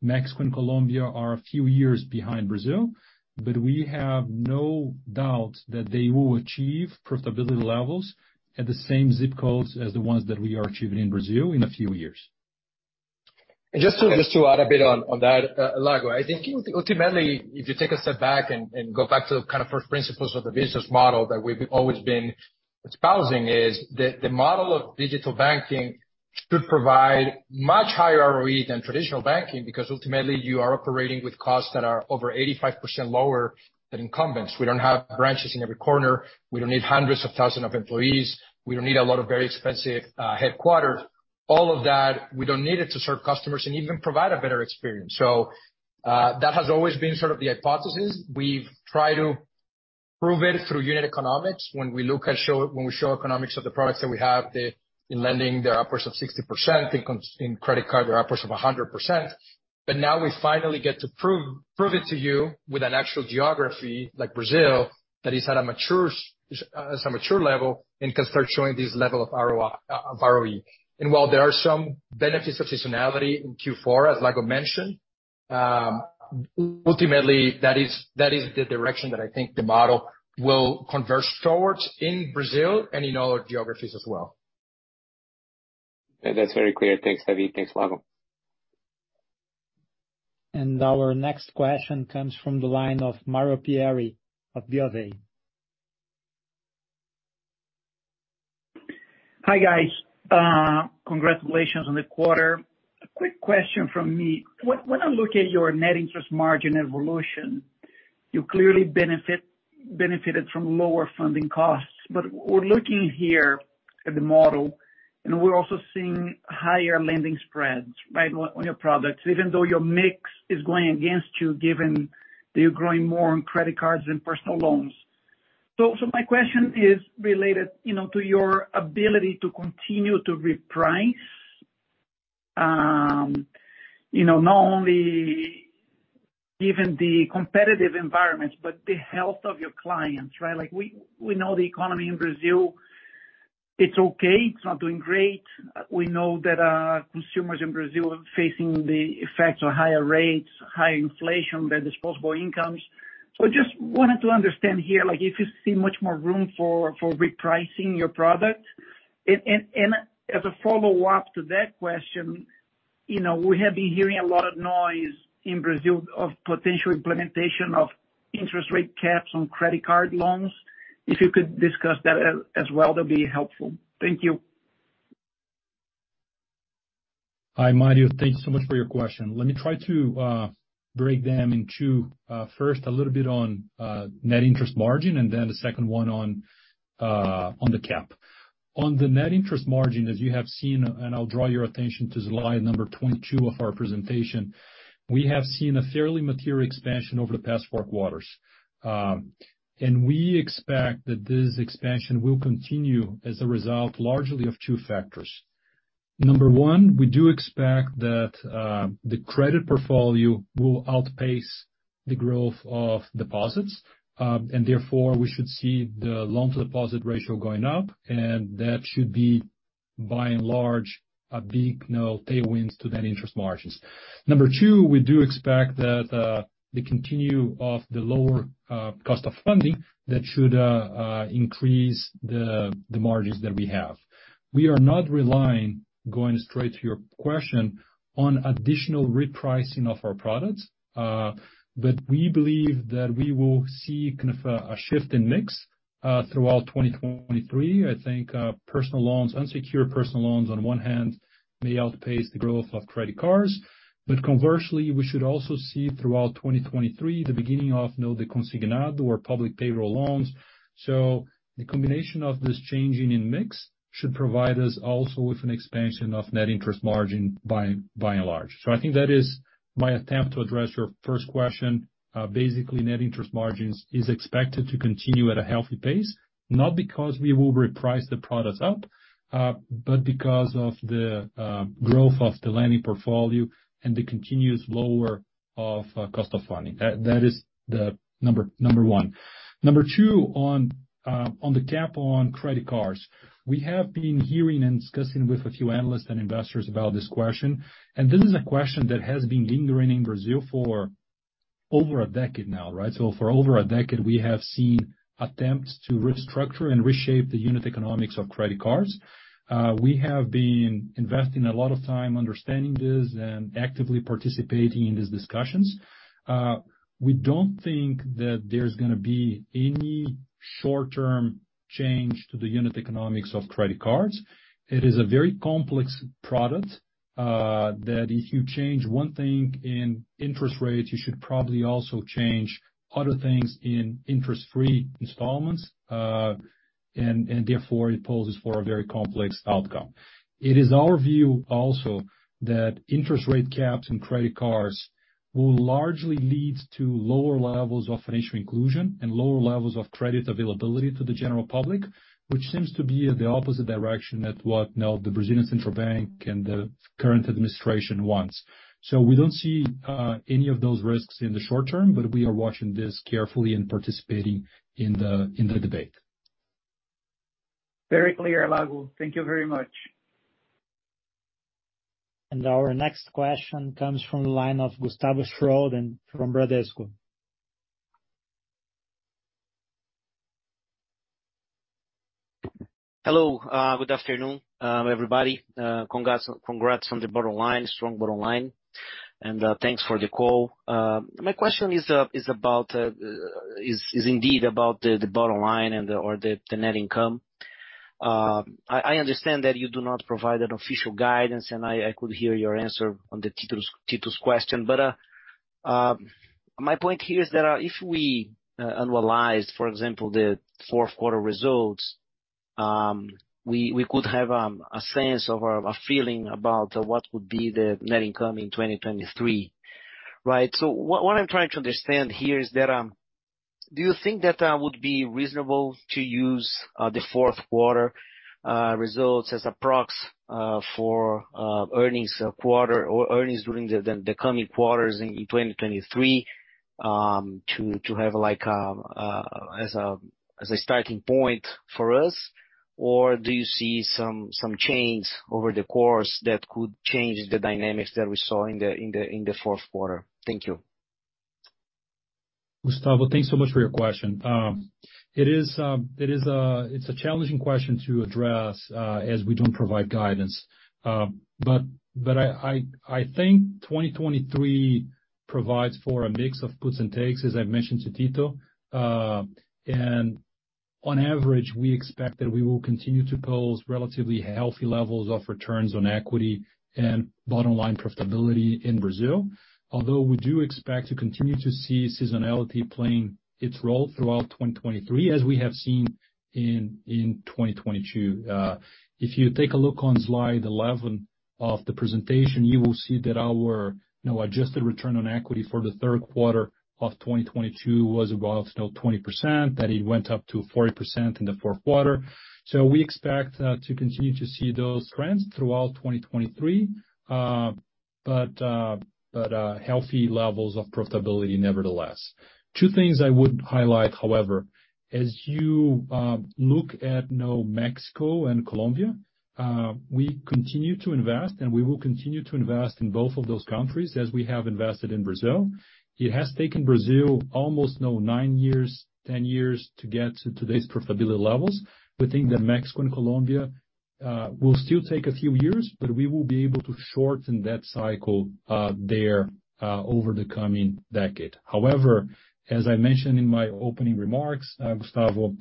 Mexico and Colombia are a few years behind Brazil, but we have no doubt that they will achieve profitability levels at the same zip codes as the ones that we are achieving in Brazil in a few years. Just to add a bit on that, Lago, I think ultimately, if you take a step back and go back to kind of first principles of the business model that we've always been espousing, is the model of digital banking should provide much higher ROE than traditional banking because ultimately you are operating with costs that are over 85% lower than incumbents. We don't have branches in every corner. We don't need hundreds of thousands of employees. We don't need a lot of very expensive headquarters. All of that, we don't need it to serve customers and even provide a better experience. That has always been sort of the hypothesis. We've tried to prove it through unit economics. When we show economics of the products that we have, In lending, they're upwards of 60%. In credit card, they're upwards of 100%. Now we finally get to prove it to you with an actual geography like Brazil, that is at a mature level and can start showing this level of ROE. While there are some benefits of seasonality in Q4, as Lago mentioned, ultimately that is the direction that I think the model will converge towards in Brazil and in other geographies as well. That's very clear. Thanks, David. Thanks, Lago. Our next question comes from the line of Mario Pierry of Bank of America. Hi, guys. Congratulations on the quarter. A quick question from me. When I look at your net interest margin evolution, you clearly benefited from lower funding costs. We're looking here at the model, and we're also seeing higher lending spreads, right, on your products, even though your mix is going against you given that you're growing more on credit cards than personal loans. My question is related, you know, to your ability to continue to reprice, you know, not only given the competitive environment, but the health of your clients, right? Like we know the economy in Brazil, it's okay, it's not doing great. We know that consumers in Brazil are facing the effects of higher rates, higher inflation, their disposable incomes. Just wanted to understand here, like if you see much more room for repricing your product. As a follow-up to that question, you know, we have been hearing a lot of noise in Brazil of potential implementation of interest rate caps on credit card loans. If you could discuss that as well, that'd be helpful. Thank you. Hi, Mario. Thank you so much for your question. Let me try to break them in two. First a little bit on net interest margin, and then the second one on the cap. On the net interest margin, as you have seen, I'll draw your attention to slide number 22 of our presentation. We have seen a fairly material expansion over the past four quarters. We expect that this expansion will continue as a result, largely of two factors. Number one, we do expect that the credit portfolio will outpace the growth of deposits, and therefore we should see the loan-to-deposit ratio going up, and that should be by and large, a big, you know, tailwinds to net interest margins. Number two, we do expect that the continue of the lower cost of funding that should increase the margins that we have. We are not relying, going straight to your question, on additional repricing of our products, but we believe that we will see kind of a shift in mix throughout 2023. I think personal loans, unsecured personal loans, on one hand may outpace the growth of credit cards. Conversely, we should also see throughout 2023, the beginning of, you know, the consignado or public payroll loans. The combination of this changing in mix should provide us also with an expansion of net interest margin by and large. I think that is my attempt to address your first question. Basically, net interest margins is expected to continue at a healthy pace, not because we will reprice the products up, but because of the growth of the lending portfolio and the continuous lower of cost of funding. That is the number one. Number two, on the cap on credit cards. We have been hearing and discussing with a few analysts and investors about this question, and this is a question that has been lingering in Brazil for over a decade now, right? For over a decade, we have seen attempts to restructure and reshape the unit economics of credit cards. We have been investing a lot of time understanding this and actively participating in these discussions. We don't think that there's gonna be any short-term change to the unit economics of credit cards. It is a very complex product that if you change one thing in interest rates, you should probably also change other things in interest-free installments. Therefore, it poses for a very complex outcome. It is our view also that interest rate caps and credit cards will largely lead to lower levels of financial inclusion and lower levels of credit availability to the general public, which seems to be the opposite direction at what, you know, the Brazilian Central Bank and the current administration wants. We don't see any of those risks in the short term, but we are watching this carefully and participating in the debate. Very clear, Lago. Thank you very much. Our next question comes from the line of Gustavo Schroden and from Bradesco. Hello. Good afternoon, everybody. Congrats on the bottom line, strong bottom line. Thanks for the call. My question is about is indeed about the bottom line and the, or the net income. I understand that you do not provide an official guidance, and I could hear your answer on the Tito's question. My point here is that if we annualized, for example, the fourth quarter results, we could have a sense or a feeling about what would be the net income in 2023. Right? What I'm trying to understand here is that, do you think that would be reasonable to use the fourth quarter results as approx for earnings quarter or earnings during the coming quarters in 2023 to have as a starting point for us? Do you see some change over the course that could change the dynamics that we saw in the fourth quarter? Thank you. Gustavo, thanks so much for your question. It is, it's a challenging question to address, as we don't provide guidance. But I think 2023 provides for a mix of gives and takes, as I've mentioned to Tito. On average, we expect that we will continue to pose relatively healthy levels of returns on equity and bottom-line profitability in Brazil. Although we do expect to continue to see seasonality playing its role throughout 2023, as we have seen in 2022. If you take a look on slide 11 of the presentation, you will see that our, you know, adjusted return on equity for the third quarter of 2022 was about 20%, that it went up to 40% in the fourth quarter. We expect to continue to see those trends throughout 2023, but healthy levels of profitability nevertheless. Two things I would highlight, however. As you look at, you know, Mexico and Colombia, we continue to invest, and we will continue to invest in both of those countries as we have invested in Brazil. It has taken Brazil almost, you know, nine years, 10 years to get to today's profitability levels. We think that Mexico and Colombia will still take a few years, but we will be able to shorten that cycle there over the coming decade. As I mentioned in my opening remarks, Gustavo,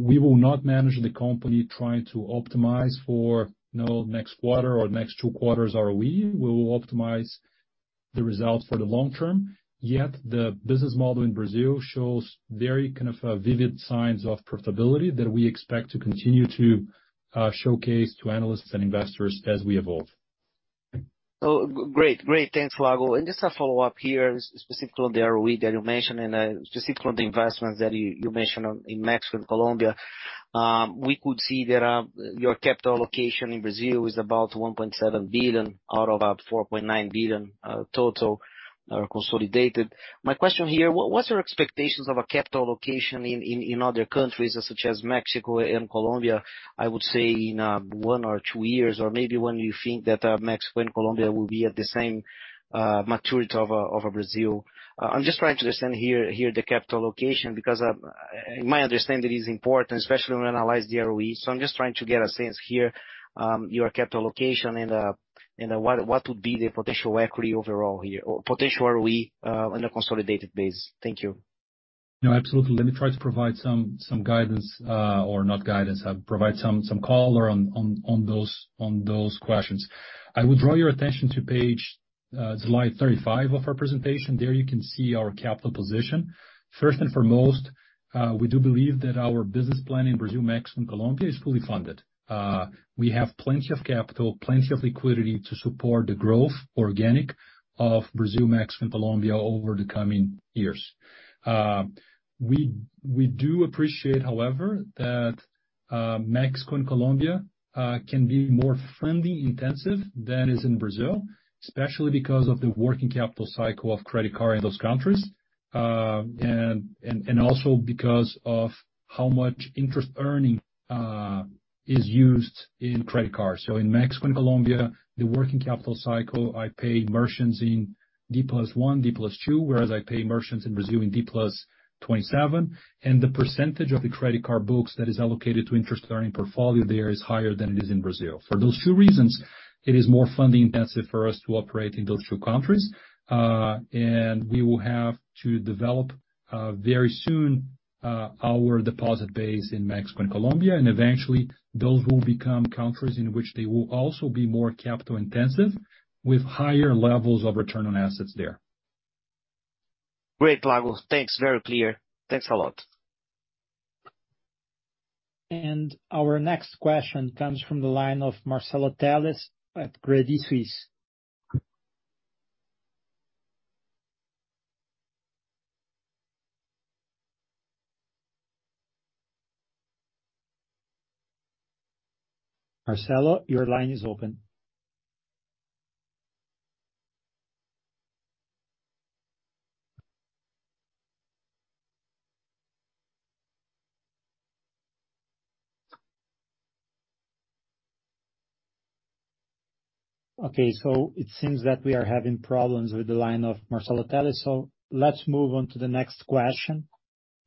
we will not manage the company trying to optimize for, you know, next quarter or next two quarters or a week. We will optimize. The results for the long-term, yet the business model in Brazil shows very kind of, vivid signs of profitability that we expect to continue to, showcase to analysts and investors as we evolve. Great. Great. Thanks, Lago. Just a follow-up here, specific on the ROE that you mentioned, and specific on the investments that you mentioned in Mexico and Colombia. We could see that your capital location in Brazil is about $1.7 billion out of about $4.9 billion total consolidated. My question here, what's your expectations of a capital location in other countries, such as Mexico and Colombia, I would say in one or two years or maybe when you think that Mexico and Colombia will be at the same maturity of Brazil? I'm just trying to understand here the capital location because in my understanding it is important, especially when analyzing ROE. I'm just trying to get a sense here, your capital location and, what would be the potential equity overall here or potential ROE on a consolidated base? Thank you. No, absolutely. Let me try to provide some guidance, or not guidance. I'll provide some color on those questions. I would draw your attention to page, slide 35 of our presentation. There you can see our capital position. First and foremost, we do believe that our business plan in Brazil, Mexico, and Colombia is fully funded. We have plenty of capital, plenty of liquidity to support the growth organic of Brazil, Mexico, and Colombia over the coming years. We do appreciate, however, that Mexico and Colombia can be more funding intensive than is in Brazil, especially because of the working capital cycle of credit card in those countries. And also because of how much interest earning is used in credit cards. In Mexico and Colombia, the working capital cycle, I pay merchants in D+1, D+2, whereas I pay merchants in Brazil in D+27. The percentage of the credit card books that is allocated to interest earning portfolio there is higher than it is in Brazil. For those two reasons, it is more funding intensive for us to operate in those two countries. And we will have to develop very soon our deposit base in Mexico and Colombia. Eventually those will become countries in which they will also be more capital intensive with higher levels of return on assets there. Great, Lago. Thanks. Very clear. Thanks a lot. Our next question comes from the line of Marcelo Telles at Credit Suisse. Marcelo, your line is open. Okay, it seems that we are having problems with the line of Marcelo Telles, so let's move on to the next question.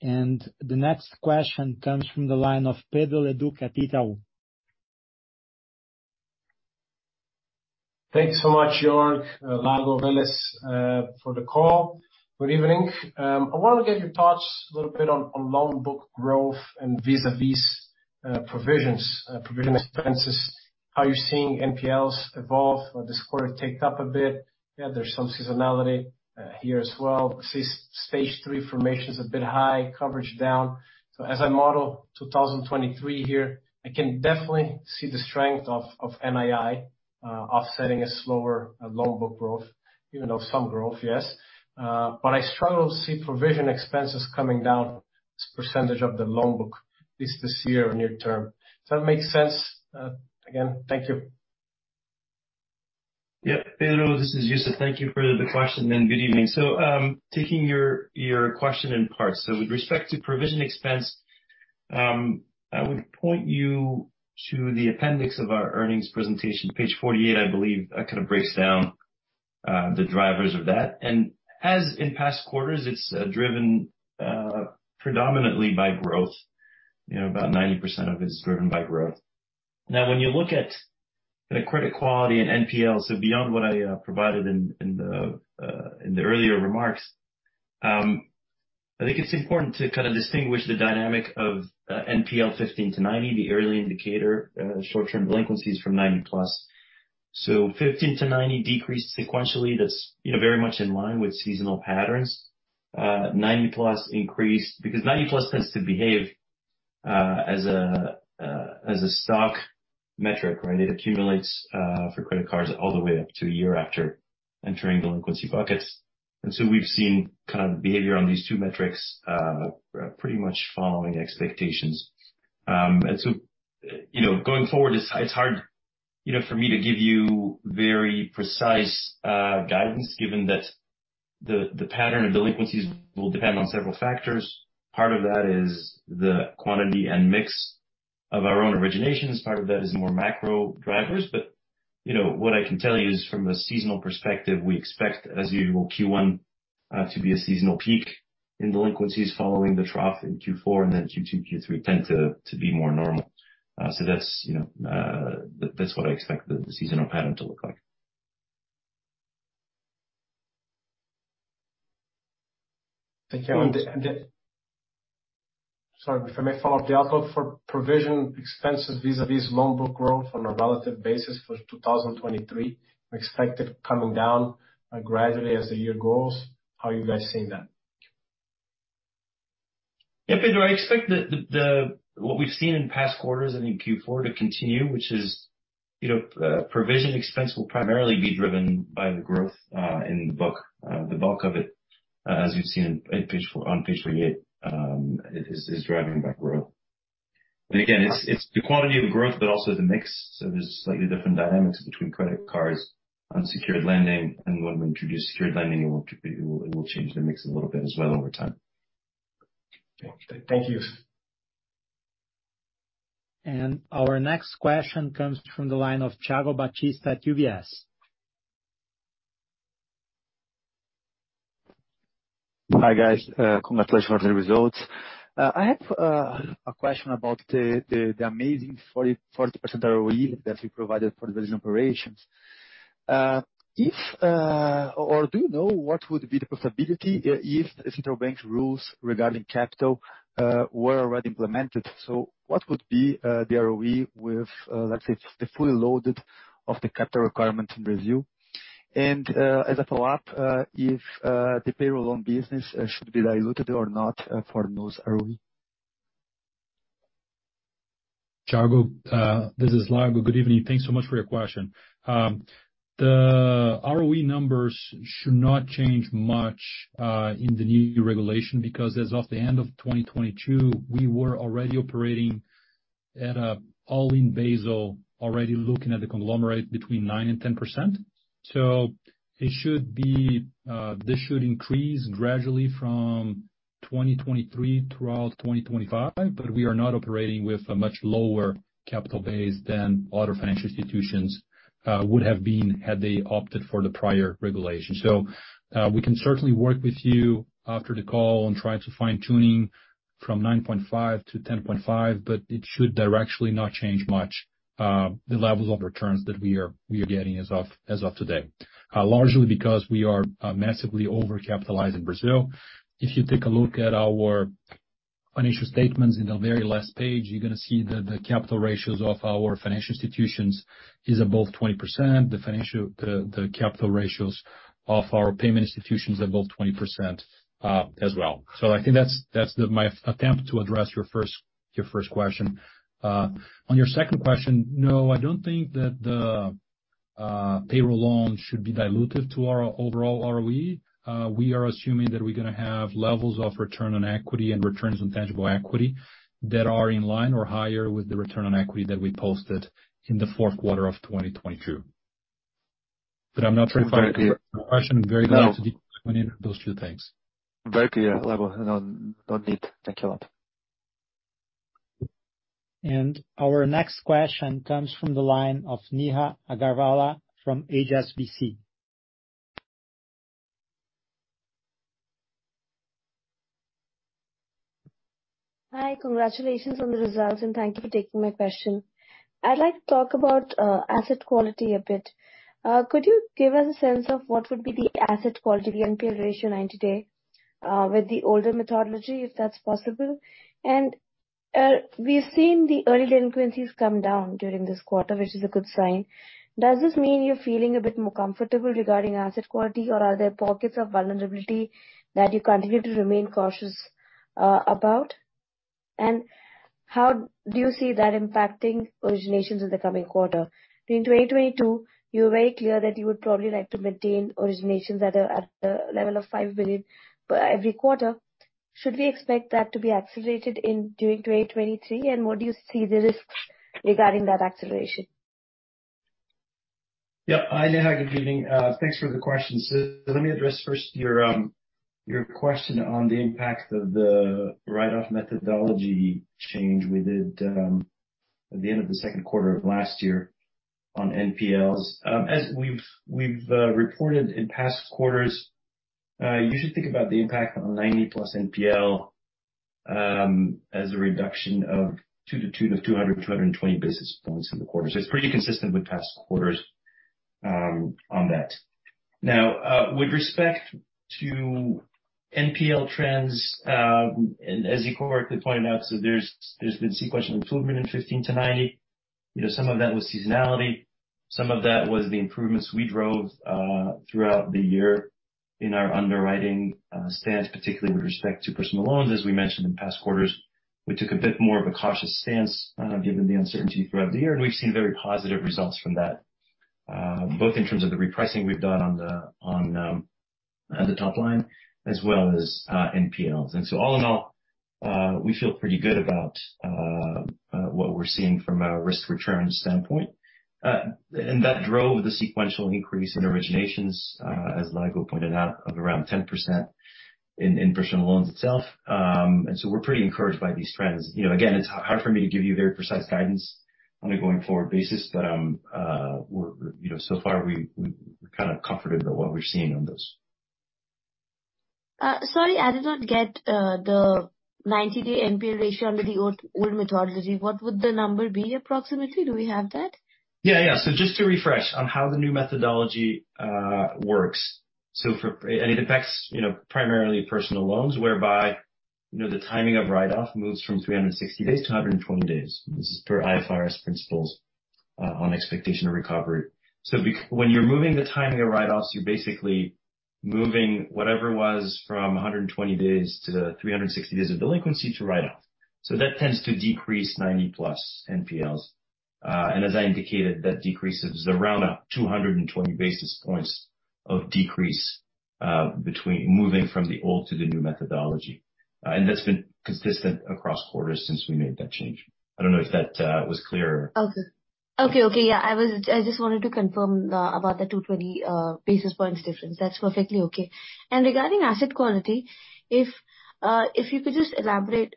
The next question comes from the line of Pedro Leduc at Itaú. Thanks so much, Jörg, Lago, Vélez, for the call. Good evening. I wanna get your thoughts a little bit on loan book growth and vis-a-vis, provisions, provision expenses, how you're seeing NPLs evolve, or this quarter ticked up a bit. Yeah, there's some seasonality here as well. Stage 3 formation is a bit high, coverage down. As I model 2023 here, I can definitely see the strength of NII, offsetting a slower loan book growth, even though some growth, yes. I struggle to see provision expenses coming down as % of the loan book this year or near term. Does that make sense? Again, thank you. Yeah, Pedro, this is Youssef. Thank you for the question and good evening. Taking your question in parts. With respect to provision expense, I would point you to the appendix of our earnings presentation, page 48, I believe, that kind of breaks down the drivers of that. As in past quarters, it's driven predominantly by growth. You know, about 90% of it is driven by growth. When you look at the credit quality in NPL, beyond what I provided in the earlier remarks, I think it's important to kind of distinguish the dynamic of NPL 15-90, the early indicator, short-term delinquencies from 90+. 15-90 decreased sequentially. That's, you know, very much in line with seasonal patterns. 90+ increased because 90+ tends to behave as a stock metric, right? It accumulates for credit cards all the way up to a year after entering delinquency buckets. We've seen kind of behavior on these two metrics pretty much following expectations. You know, going forward, it's hard, you know, for me to give you very precise guidance, given that the pattern of delinquencies will depend on several factors. Part of that is the quantity and mix of our own originations. Part of that is more macro drivers. You know, what I can tell you is from a seasonal perspective, we expect as usual Q1 to be a seasonal peak in delinquencies following the trough in Q4, and then Q2, Q3 tend to be more normal. That's, you know, that's what I expect the seasonal pattern to look like. Thank you. Sorry, if I may follow up the outlook for provision expenses vis-a-vis loan book growth on a relative basis for 2023, expect it coming down gradually as the year goes. How are you guys seeing that? Yeah, Pedro, I expect what we've seen in past quarters and in Q4 to continue, which is, you know, provision expense will primarily be driven by the growth in the book. The bulk of it, as you've seen on page 48, is driving that growth. Again, it's the quality of the growth but also the mix. There's slightly different dynamics between credit cards, unsecured lending. When we introduce secured lending, it will change the mix a little bit as well over time. Okay. Thank you. Our next question comes from the line of Thiago Batista at UBS. Hi, guys. Congratulations on the results. I have a question about the amazing 40% ROE that you provided for the Brazilian operations. If or do you know what would be the profitability if the central bank's rules regarding capital were already implemented? What would be the ROE with, let's say, the fully loaded of the capital requirements in Brazil? As a follow-up, if the payroll loan business should be diluted or not for the most ROE. Thiago, this is Lago. Good evening. Thanks so much for your question. The ROE numbers should not change much in the new regulation, because as of the end of 2022, we were already operating at a all-in Basel, already looking at the conglomerate between 9% and 10%. It should be, this should increase gradually from 2023 throughout 2025, but we are not operating with a much lower capital base than other financial institutions would have been had they opted for the prior regulation. We can certainly work with you after the call on trying to fine-tuning from 9.5%-10.5%, but it should directionally not change much the levels of returns that we are getting as of today, largely because we are massively overcapitalized in Brazil. If you take a look at our financial statements in the very last page, you're gonna see that the capital ratios of our financial institutions is above 20%. The capital ratios of our payment institutions above 20% as well. I think that's the my attempt to address your first question. On your second question, no, I don't think that the payroll loans should be dilutive to our overall ROE. We are assuming that we're gonna have levels of return on equity and returns on tangible equity that are in line or higher with the return on equity that we posted in the fourth quarter of 2022. I'm not sure if I understood your question very well to differentiate those two things. Very clear, Lago. No, no need. Thank you a lot. Our next question comes from the line of Neha Agarwala from HSBC. Hi. Congratulations on the results. Thank you for taking my question. I'd like to talk about asset quality a bit. Could you give us a sense of what would be the asset quality NPL ratio 90-day with the older methodology, if that's possible? We've seen the early delinquencies come down during this quarter, which is a good sign. Does this mean you're feeling a bit more comfortable regarding asset quality, or are there pockets of vulnerability that you continue to remain cautious about? How do you see that impacting originations in the coming quarter? In 2022, you were very clear that you would probably like to maintain originations at the level of $5 billion every quarter. Should we expect that to be accelerated during 2023? What do you see the risks regarding that acceleration? Yeah. Hi, Neha. Good evening. Thanks for the question. Let me address first your question on the impact of the write-off methodology change we did at the end of the second quarter of last year on NPLs. As we've reported in past quarters, you should think about the impact on 90+ NPL as a reduction of 200-220 basis points in the quarter. It's pretty consistent with past quarters on that. Now, with respect to NPL trends, as you correctly pointed out, there's been sequential improvement in 15-90. You know, some of that was seasonality, some of that was the improvements we drove throughout the year in our underwriting stance, particularly with respect to personal loans. As we mentioned in past quarters, we took a bit more of a cautious stance, given the uncertainty throughout the year, and we've seen very positive results from that, both in terms of the repricing we've done on the top line as well as NPLs. All in all, we feel pretty good about what we're seeing from a risk-return standpoint. That drove the sequential increase in originations, as Lago pointed out, of around 10% in personal loans itself. We're pretty encouraged by these trends. You know, again, it's hard for me to give you very precise guidance on a going-forward basis. We're, you know, so far we're kind of comforted by what we're seeing on this. Sorry, I did not get the 90 day NPL ratio under the old methodology, what would the number be approximately? Do we have that? Yeah, yeah. Just to refresh on how the new methodology works. It affects, you know, primarily personal loans, whereby, you know, the timing of write-off moves from 360 days to 120 days. This is per IFRS principles on expectation of recovery. When you're moving the timing of write-offs, you're basically moving whatever was from 120 days to the 360 days of delinquency to write off. That tends to decrease 90+ NPLs. As I indicated, that decreases around 220 basis points of decrease between moving from the old to the new methodology. That's been consistent across quarters since we made that change. I don't know if that was clear. Okay. Okay, okay, yeah. I just wanted to confirm about the 220 basis points difference. That's perfectly okay. Regarding asset quality, if you could just elaborate.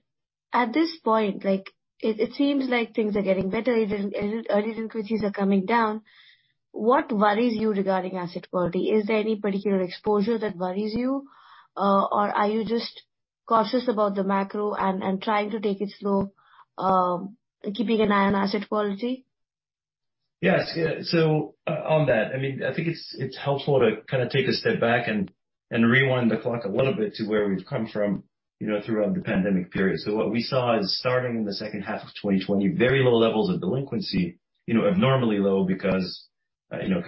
At this point, like, it seems like things are getting better. Even early delinquencies are coming down. What worries you regarding asset quality? Is there any particular exposure that worries you, or are you just cautious about the macro and trying to take it slow, keeping an eye on asset quality? Yes. Yeah. On that, I mean, I think it's helpful to kind of take a step back and rewind the clock a little bit to where we've come from, you know, throughout the pandemic period. What we saw is starting in the second half of 2020, very low levels of delinquency, you know, abnormally low because, you know,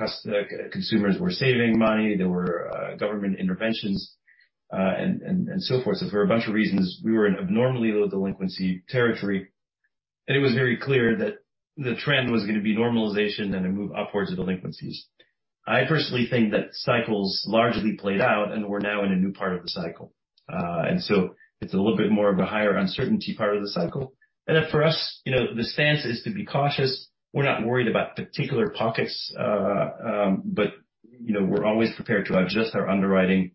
consumers were saving money, there were government interventions, and so forth. For a bunch of reasons, we were in abnormally low delinquency territory, and it was very clear that the trend was gonna be normalization and a move upwards of delinquencies. I personally think that cycles largely played out and we're now in a new part of the cycle. It's a little bit more of the higher uncertainty part of the cycle. For us, you know, the stance is to be cautious. We're not worried about particular pockets, but, you know, we're always prepared to adjust our underwriting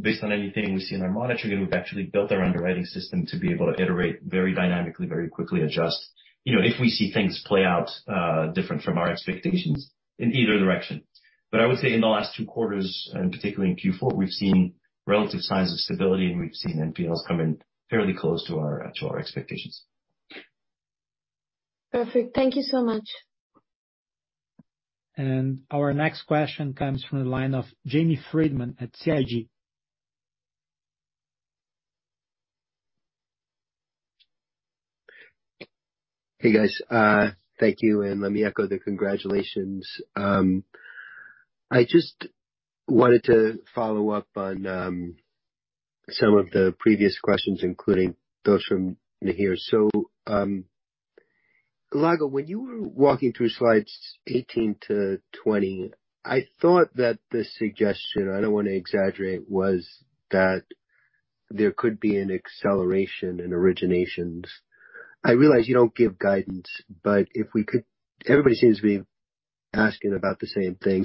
based on anything we see in our monitoring. We've actually built our underwriting system to be able to iterate very dynamically, very quickly adjust, you know, if we see things play out different from our expectations in either direction. I would say in the last two quarters, and particularly in Q4, we've seen relative signs of stability, and we've seen NPLs come in fairly close to our actual expectations. Perfect. Thank you so much. Our next question comes from the line of Jamie Friedman at SIG. Hey, guys. Thank you, and let me echo the congratulations. I just wanted to follow up on some of the previous questions, including those from Neha. Lago, when you were walking through slides 18 to 20, I thought that the suggestion, I don't wanna exaggerate, was that there could be an acceleration in originations. I realize you don't give guidance. Everybody seems to be asking about the same thing.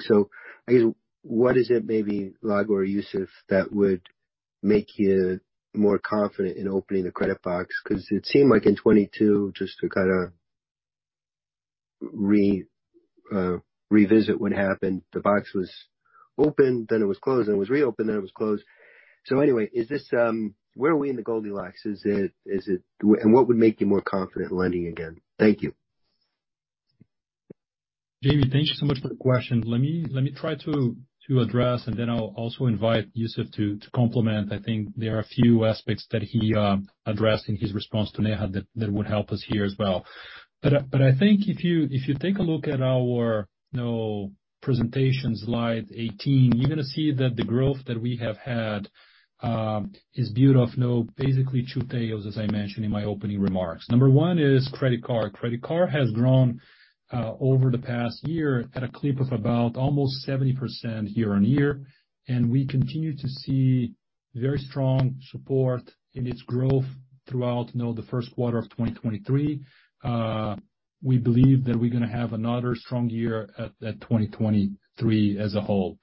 I guess, what is it maybe, Lago or Youssef, that would make you more confident in opening the credit box? 'Cause it seemed like in 2022, just to kinda revisit what happened, the box was opened, then it was closed, and it was reopened, then it was closed. Anyway, is this? Where are we in the Goldilocks? Is it? What would make you more confident in lending again? Thank you. Jamie, thank you so much for the question. Let me try to address, and then I'll also invite Youssef to complement. I think there are a few aspects that he addressed in his response to Neha that would help us here as well. I think if you take a look at our, you know, presentation slide 18, you're gonna see that the growth that we have had is due to, you know, basically two tails, as I mentioned in my opening remarks. Number one is credit card. Credit card has grown over the past year at a clip of about almost 70% year-over-year, and we continue to see very strong support in its growth throughout, you know, the first quarter of 2023. We believe that we're gonna have another strong year at 2023 as a whole.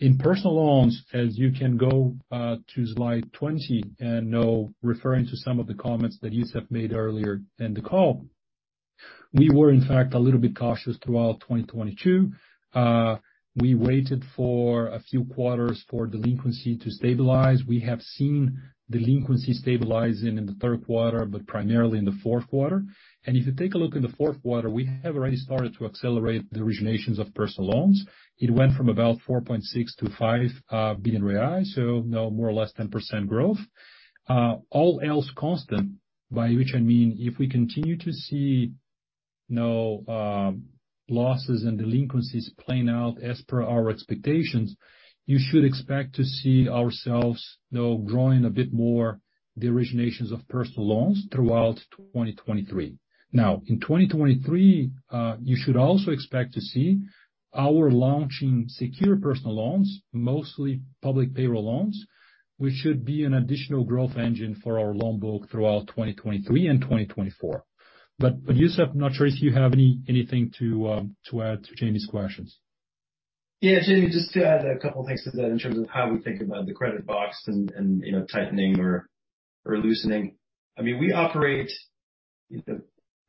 In personal loans, as you can go to slide 20 and, you know, referring to some of the comments that Youssef made earlier in the call, we were in fact a little bit cautious throughout 2022. We waited for a few quarters for delinquency to stabilize. We have seen delinquency stabilizing in the third quarter, but primarily in the fourth quarter. If you take a look in the fourth quarter, we have already started to accelerate the originations of personal loans. It went from about 4.6 billion-5 billion reais, so, you know, more or less 10% growth. All else constant, by which I mean if we continue to see, you know, losses and delinquencies playing out as per our expectations, you should expect to see ourselves, you know, growing a bit more the originations of personal loans throughout 2023. In 2023, you should also expect to see our launching secure personal loans, mostly public payroll loans, which should be an additional growth engine for our loan book throughout 2023 and 2024. Youssef, I'm not sure if you have anything to add to Jamie's questions. Jamie, just to add two things to that in terms of how we think about the credit box and, you know, tightening or loosening. I mean, we operate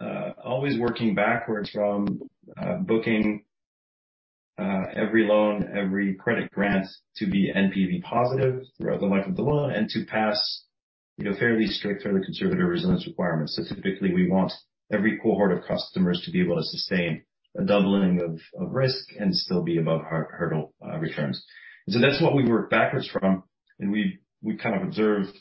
always working backwards from booking every loan, every credit grant to be NPV positive throughout the life of the loan and to pass, you know, fairly strict, fairly conservative resilience requirements. Typically, we want every cohort of customers to be able to sustain a doubling of risk and still be above hurdle returns. That's what we work backwards from, and we kind of observed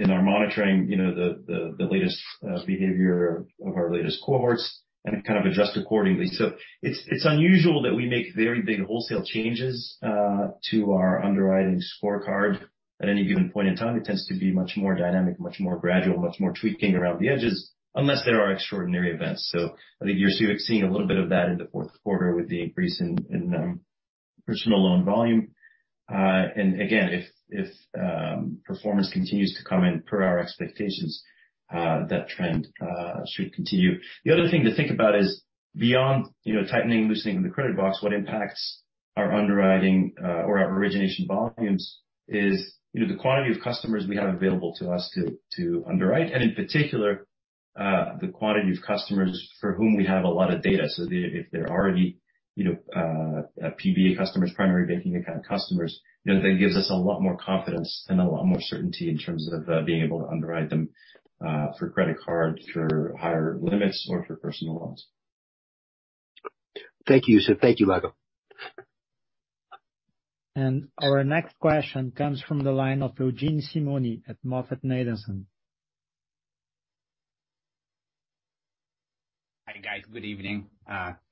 in our monitoring, you know, the latest behavior of our latest cohorts and kind of adjust accordingly. It's unusual that we make very big wholesale changes to our underwriting scorecard at any given point in time. It tends to be much more dynamic, much more gradual, much more tweaking around the edges, unless there are extraordinary events. I think you're seeing a little bit of that in the fourth quarter with the increase in personal loan volume. Again, if performance continues to come in per our expectations, that trend should continue. The other thing to think about is beyond, you know, tightening, loosening the credit box, what impacts our underwriting or our origination volumes is, you know, the quantity of customers we have available to us to underwrite, and in particular, the quantity of customers for whom we have a lot of data. If they're already, you know, PBA customers, primary banking account customers, you know, that gives us a lot more confidence and a lot more certainty in terms of being able to underwrite them for credit card, for higher limits or for personal loans. Thank you, sir. Thank you, Lago. Our next question comes from the line of Eugene Simuni at MoffettNathanson. Hi, guys. Good evening.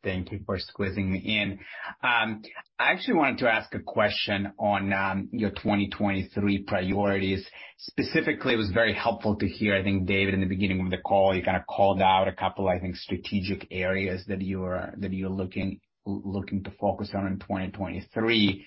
thank you for squeezing me in. I actually wanted to ask a question on your 2023 priorities. Specifically, it was very helpful to hear, I think, David, in the beginning of the call, you kind of called out a couple, I think, strategic areas that you're looking to focus on in 2023,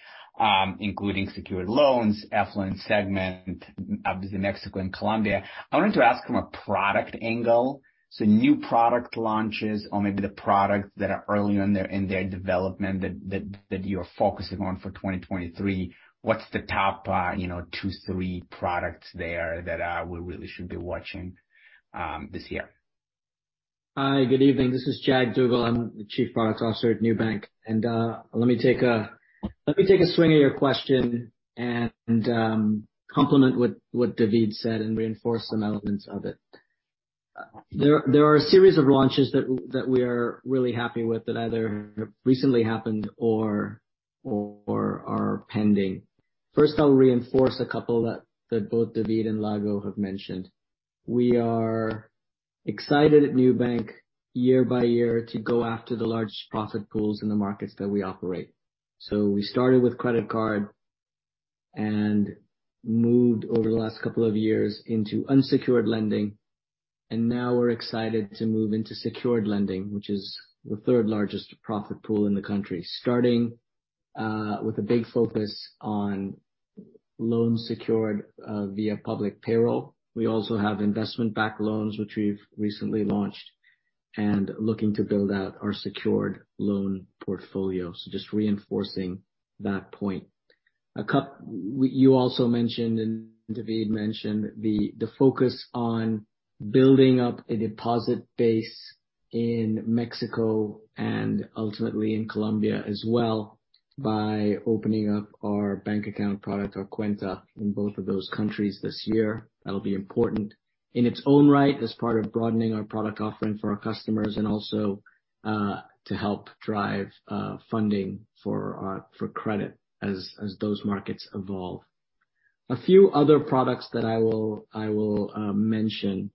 including secured loans, affluent segment, obviously Mexico and Colombia. I wanted to ask from a product angle, so new product launches or maybe the products that are early in their development that you're focusing on for 2023, what's the top, you know, two, three products there that we really should be watching this year? Hi, good evening. This is Jag Duggal. I'm the Chief Product Officer at Nubank. Let me take a swing at your question and complement what David said and reinforce some elements of it. There are a series of launches that we are really happy with that either recently happened or are pending. First, I'll reinforce a couple that both David and Lago have mentioned. We are excited at Nubank year by year to go after the largest profit pools in the markets that we operate. We started with credit card and moved over the last couple of years into unsecured lending, and now we're excited to move into secured lending, which is the third largest profit pool in the country, starting with a big focus on loans secured via public payroll. We also have investment-backed loans, which we've recently launched, and looking to build out our secured loan portfolio. Just reinforcing that point. You also mentioned, and David mentioned, the focus on building up a deposit base in Mexico and ultimately in Colombia as well by opening up our bank account product, our Cuenta Nu, in both of those countries this year. That'll be important in its own right as part of broadening our product offering for our customers and also to help drive funding for credit as those markets evolve. A few other products that I will mention.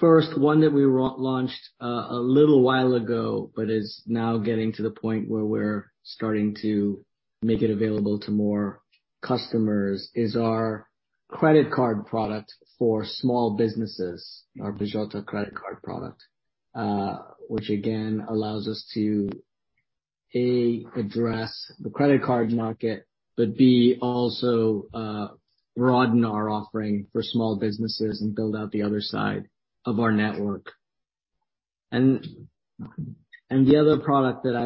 First, one that we launched a little while ago, but is now getting to the point where we're starting to make it available to more customers is our credit card product for small businesses, our Peixoto credit card product, which again, allows us to, A, address the credit card market, but B, also, broaden our offering for small businesses and build out the other side of our network. The other product that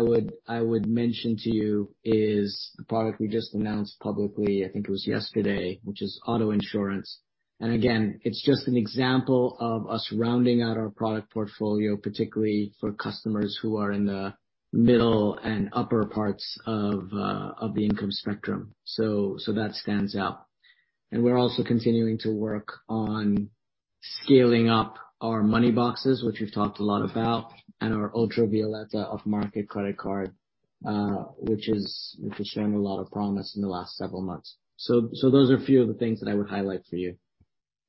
I would mention to you is a product we just announced publicly, I think it was yesterday, which is auto insurance. Again, it's just an example of us rounding out our product portfolio, particularly for customers who are in the middle and upper parts of the income spectrum. That stands out. We're also continuing to work on scaling up our Money Boxes, which we've talked a lot about, and our Ultravioleta upmarket credit card, which is showing a lot of promise in the last several months. Those are a few of the things that I would highlight for you.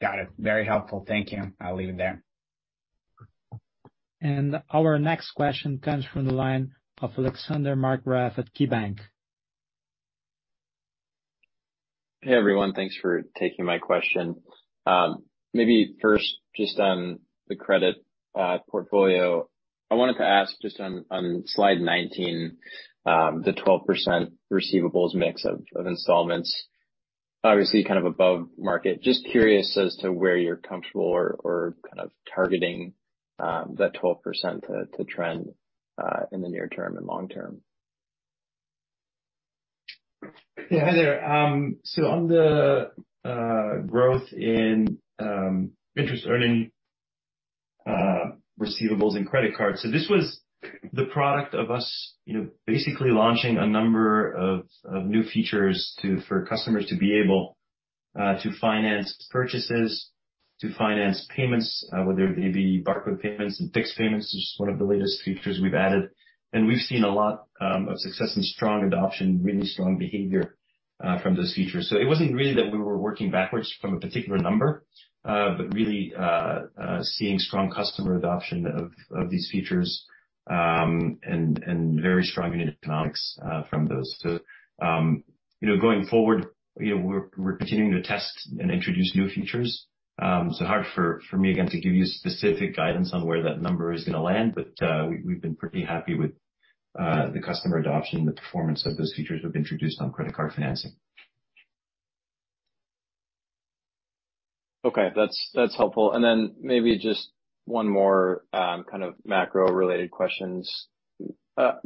Got it. Very helpful. Thank you. I'll leave it there. Our next question comes from the line of Alexander Markgraff at KeyBanc. Hey, everyone. Thanks for taking my question. Maybe first, just on the credit portfolio, I wanted to ask just on slide 19, the 12% receivables mix of installments, obviously kind of above market. Just curious as to where you're comfortable or kind of targeting that 12% to trend in the near term and long term. Yeah. Hi there. On the growth in interest earning receivables and credit cards. This was the product of us, you know, basically launching a number of new features for customers to be able to finance purchases, to finance payments, whether they be barcode payments and fixed payments, which is one of the latest features we've added. And we've seen a lot of success and strong adoption, really strong behavior from those features. It wasn't really that we were working backwards from a particular number, but really, seeing strong customer adoption of these features, and very strong unit economics, from those. You know, going forward, you know, we're continuing to test and introduce new features. Hard for me, again, to give you specific guidance on where that number is gonna land, but we've been pretty happy with the customer adoption, the performance of those features we've introduced on credit card financing. Okay. That's helpful. Then maybe just one more kind of macro-related questions?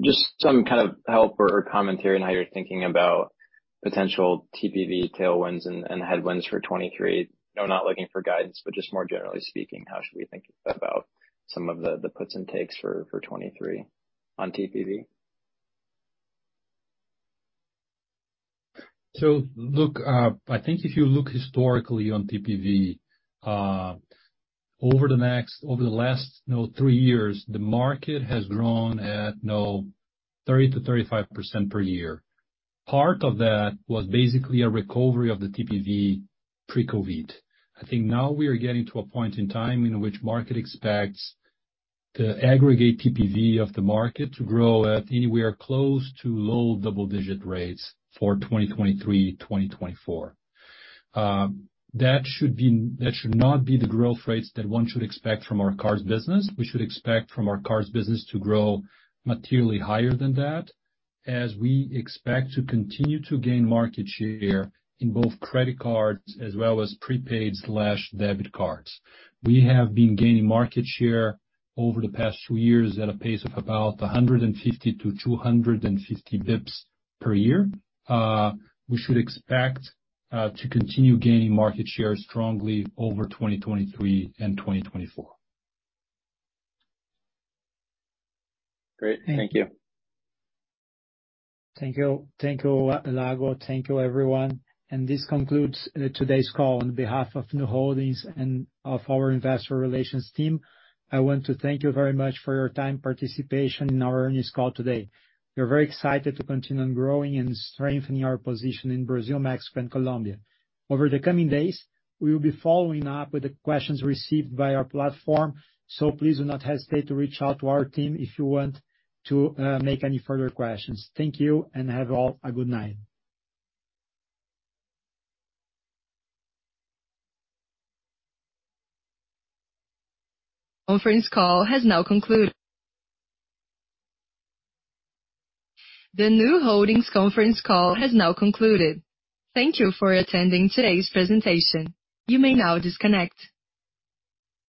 Just some kind of help or commentary on how you're thinking about potential TPV tailwinds and headwinds for 2023. You know, not looking for guidance, but just more generally speaking, how should we think about some of the puts and takes for 2023 on TPV? Look, I think if you look historically on TPV, over the last, you know, three years, the market has grown at, you know, 30%-35% per year. Part of that was basically a recovery of the TPV pre-COVID. I think now we are getting to a point in time in which market expects the aggregate TPV of the market to grow at anywhere close to low double-digit rates for 2023/2024. That should not be the growth rates that one should expect from our cards business. We should expect from our cards business to grow materially higher than that, as we expect to continue to gain market share in both credit cards as well as prepaid/debit cards. We have been gaining market share over the past two years at a pace of about 150-250 basis points per year. We should expect to continue gaining market share strongly over 2023 and 2024. Great. Thank you. Thank you. Thank you, Lago. Thank you, everyone. This concludes today's call on behalf of Nu Holdings and of our Investor Relations team. I want to thank you very much for your time, participation in our earnings call today. We're very excited to continue growing and strengthening our position in Brazil, Mexico and Colombia. Over the coming days, we will be following up with the questions received by our platform. Please do not hesitate to reach out to our team if you want to make any further questions. Thank you, have all a good night. Conference call has now concluded. The Nu Holdings conference call has now concluded. Thank you for attending today's presentation. You may now disconnect.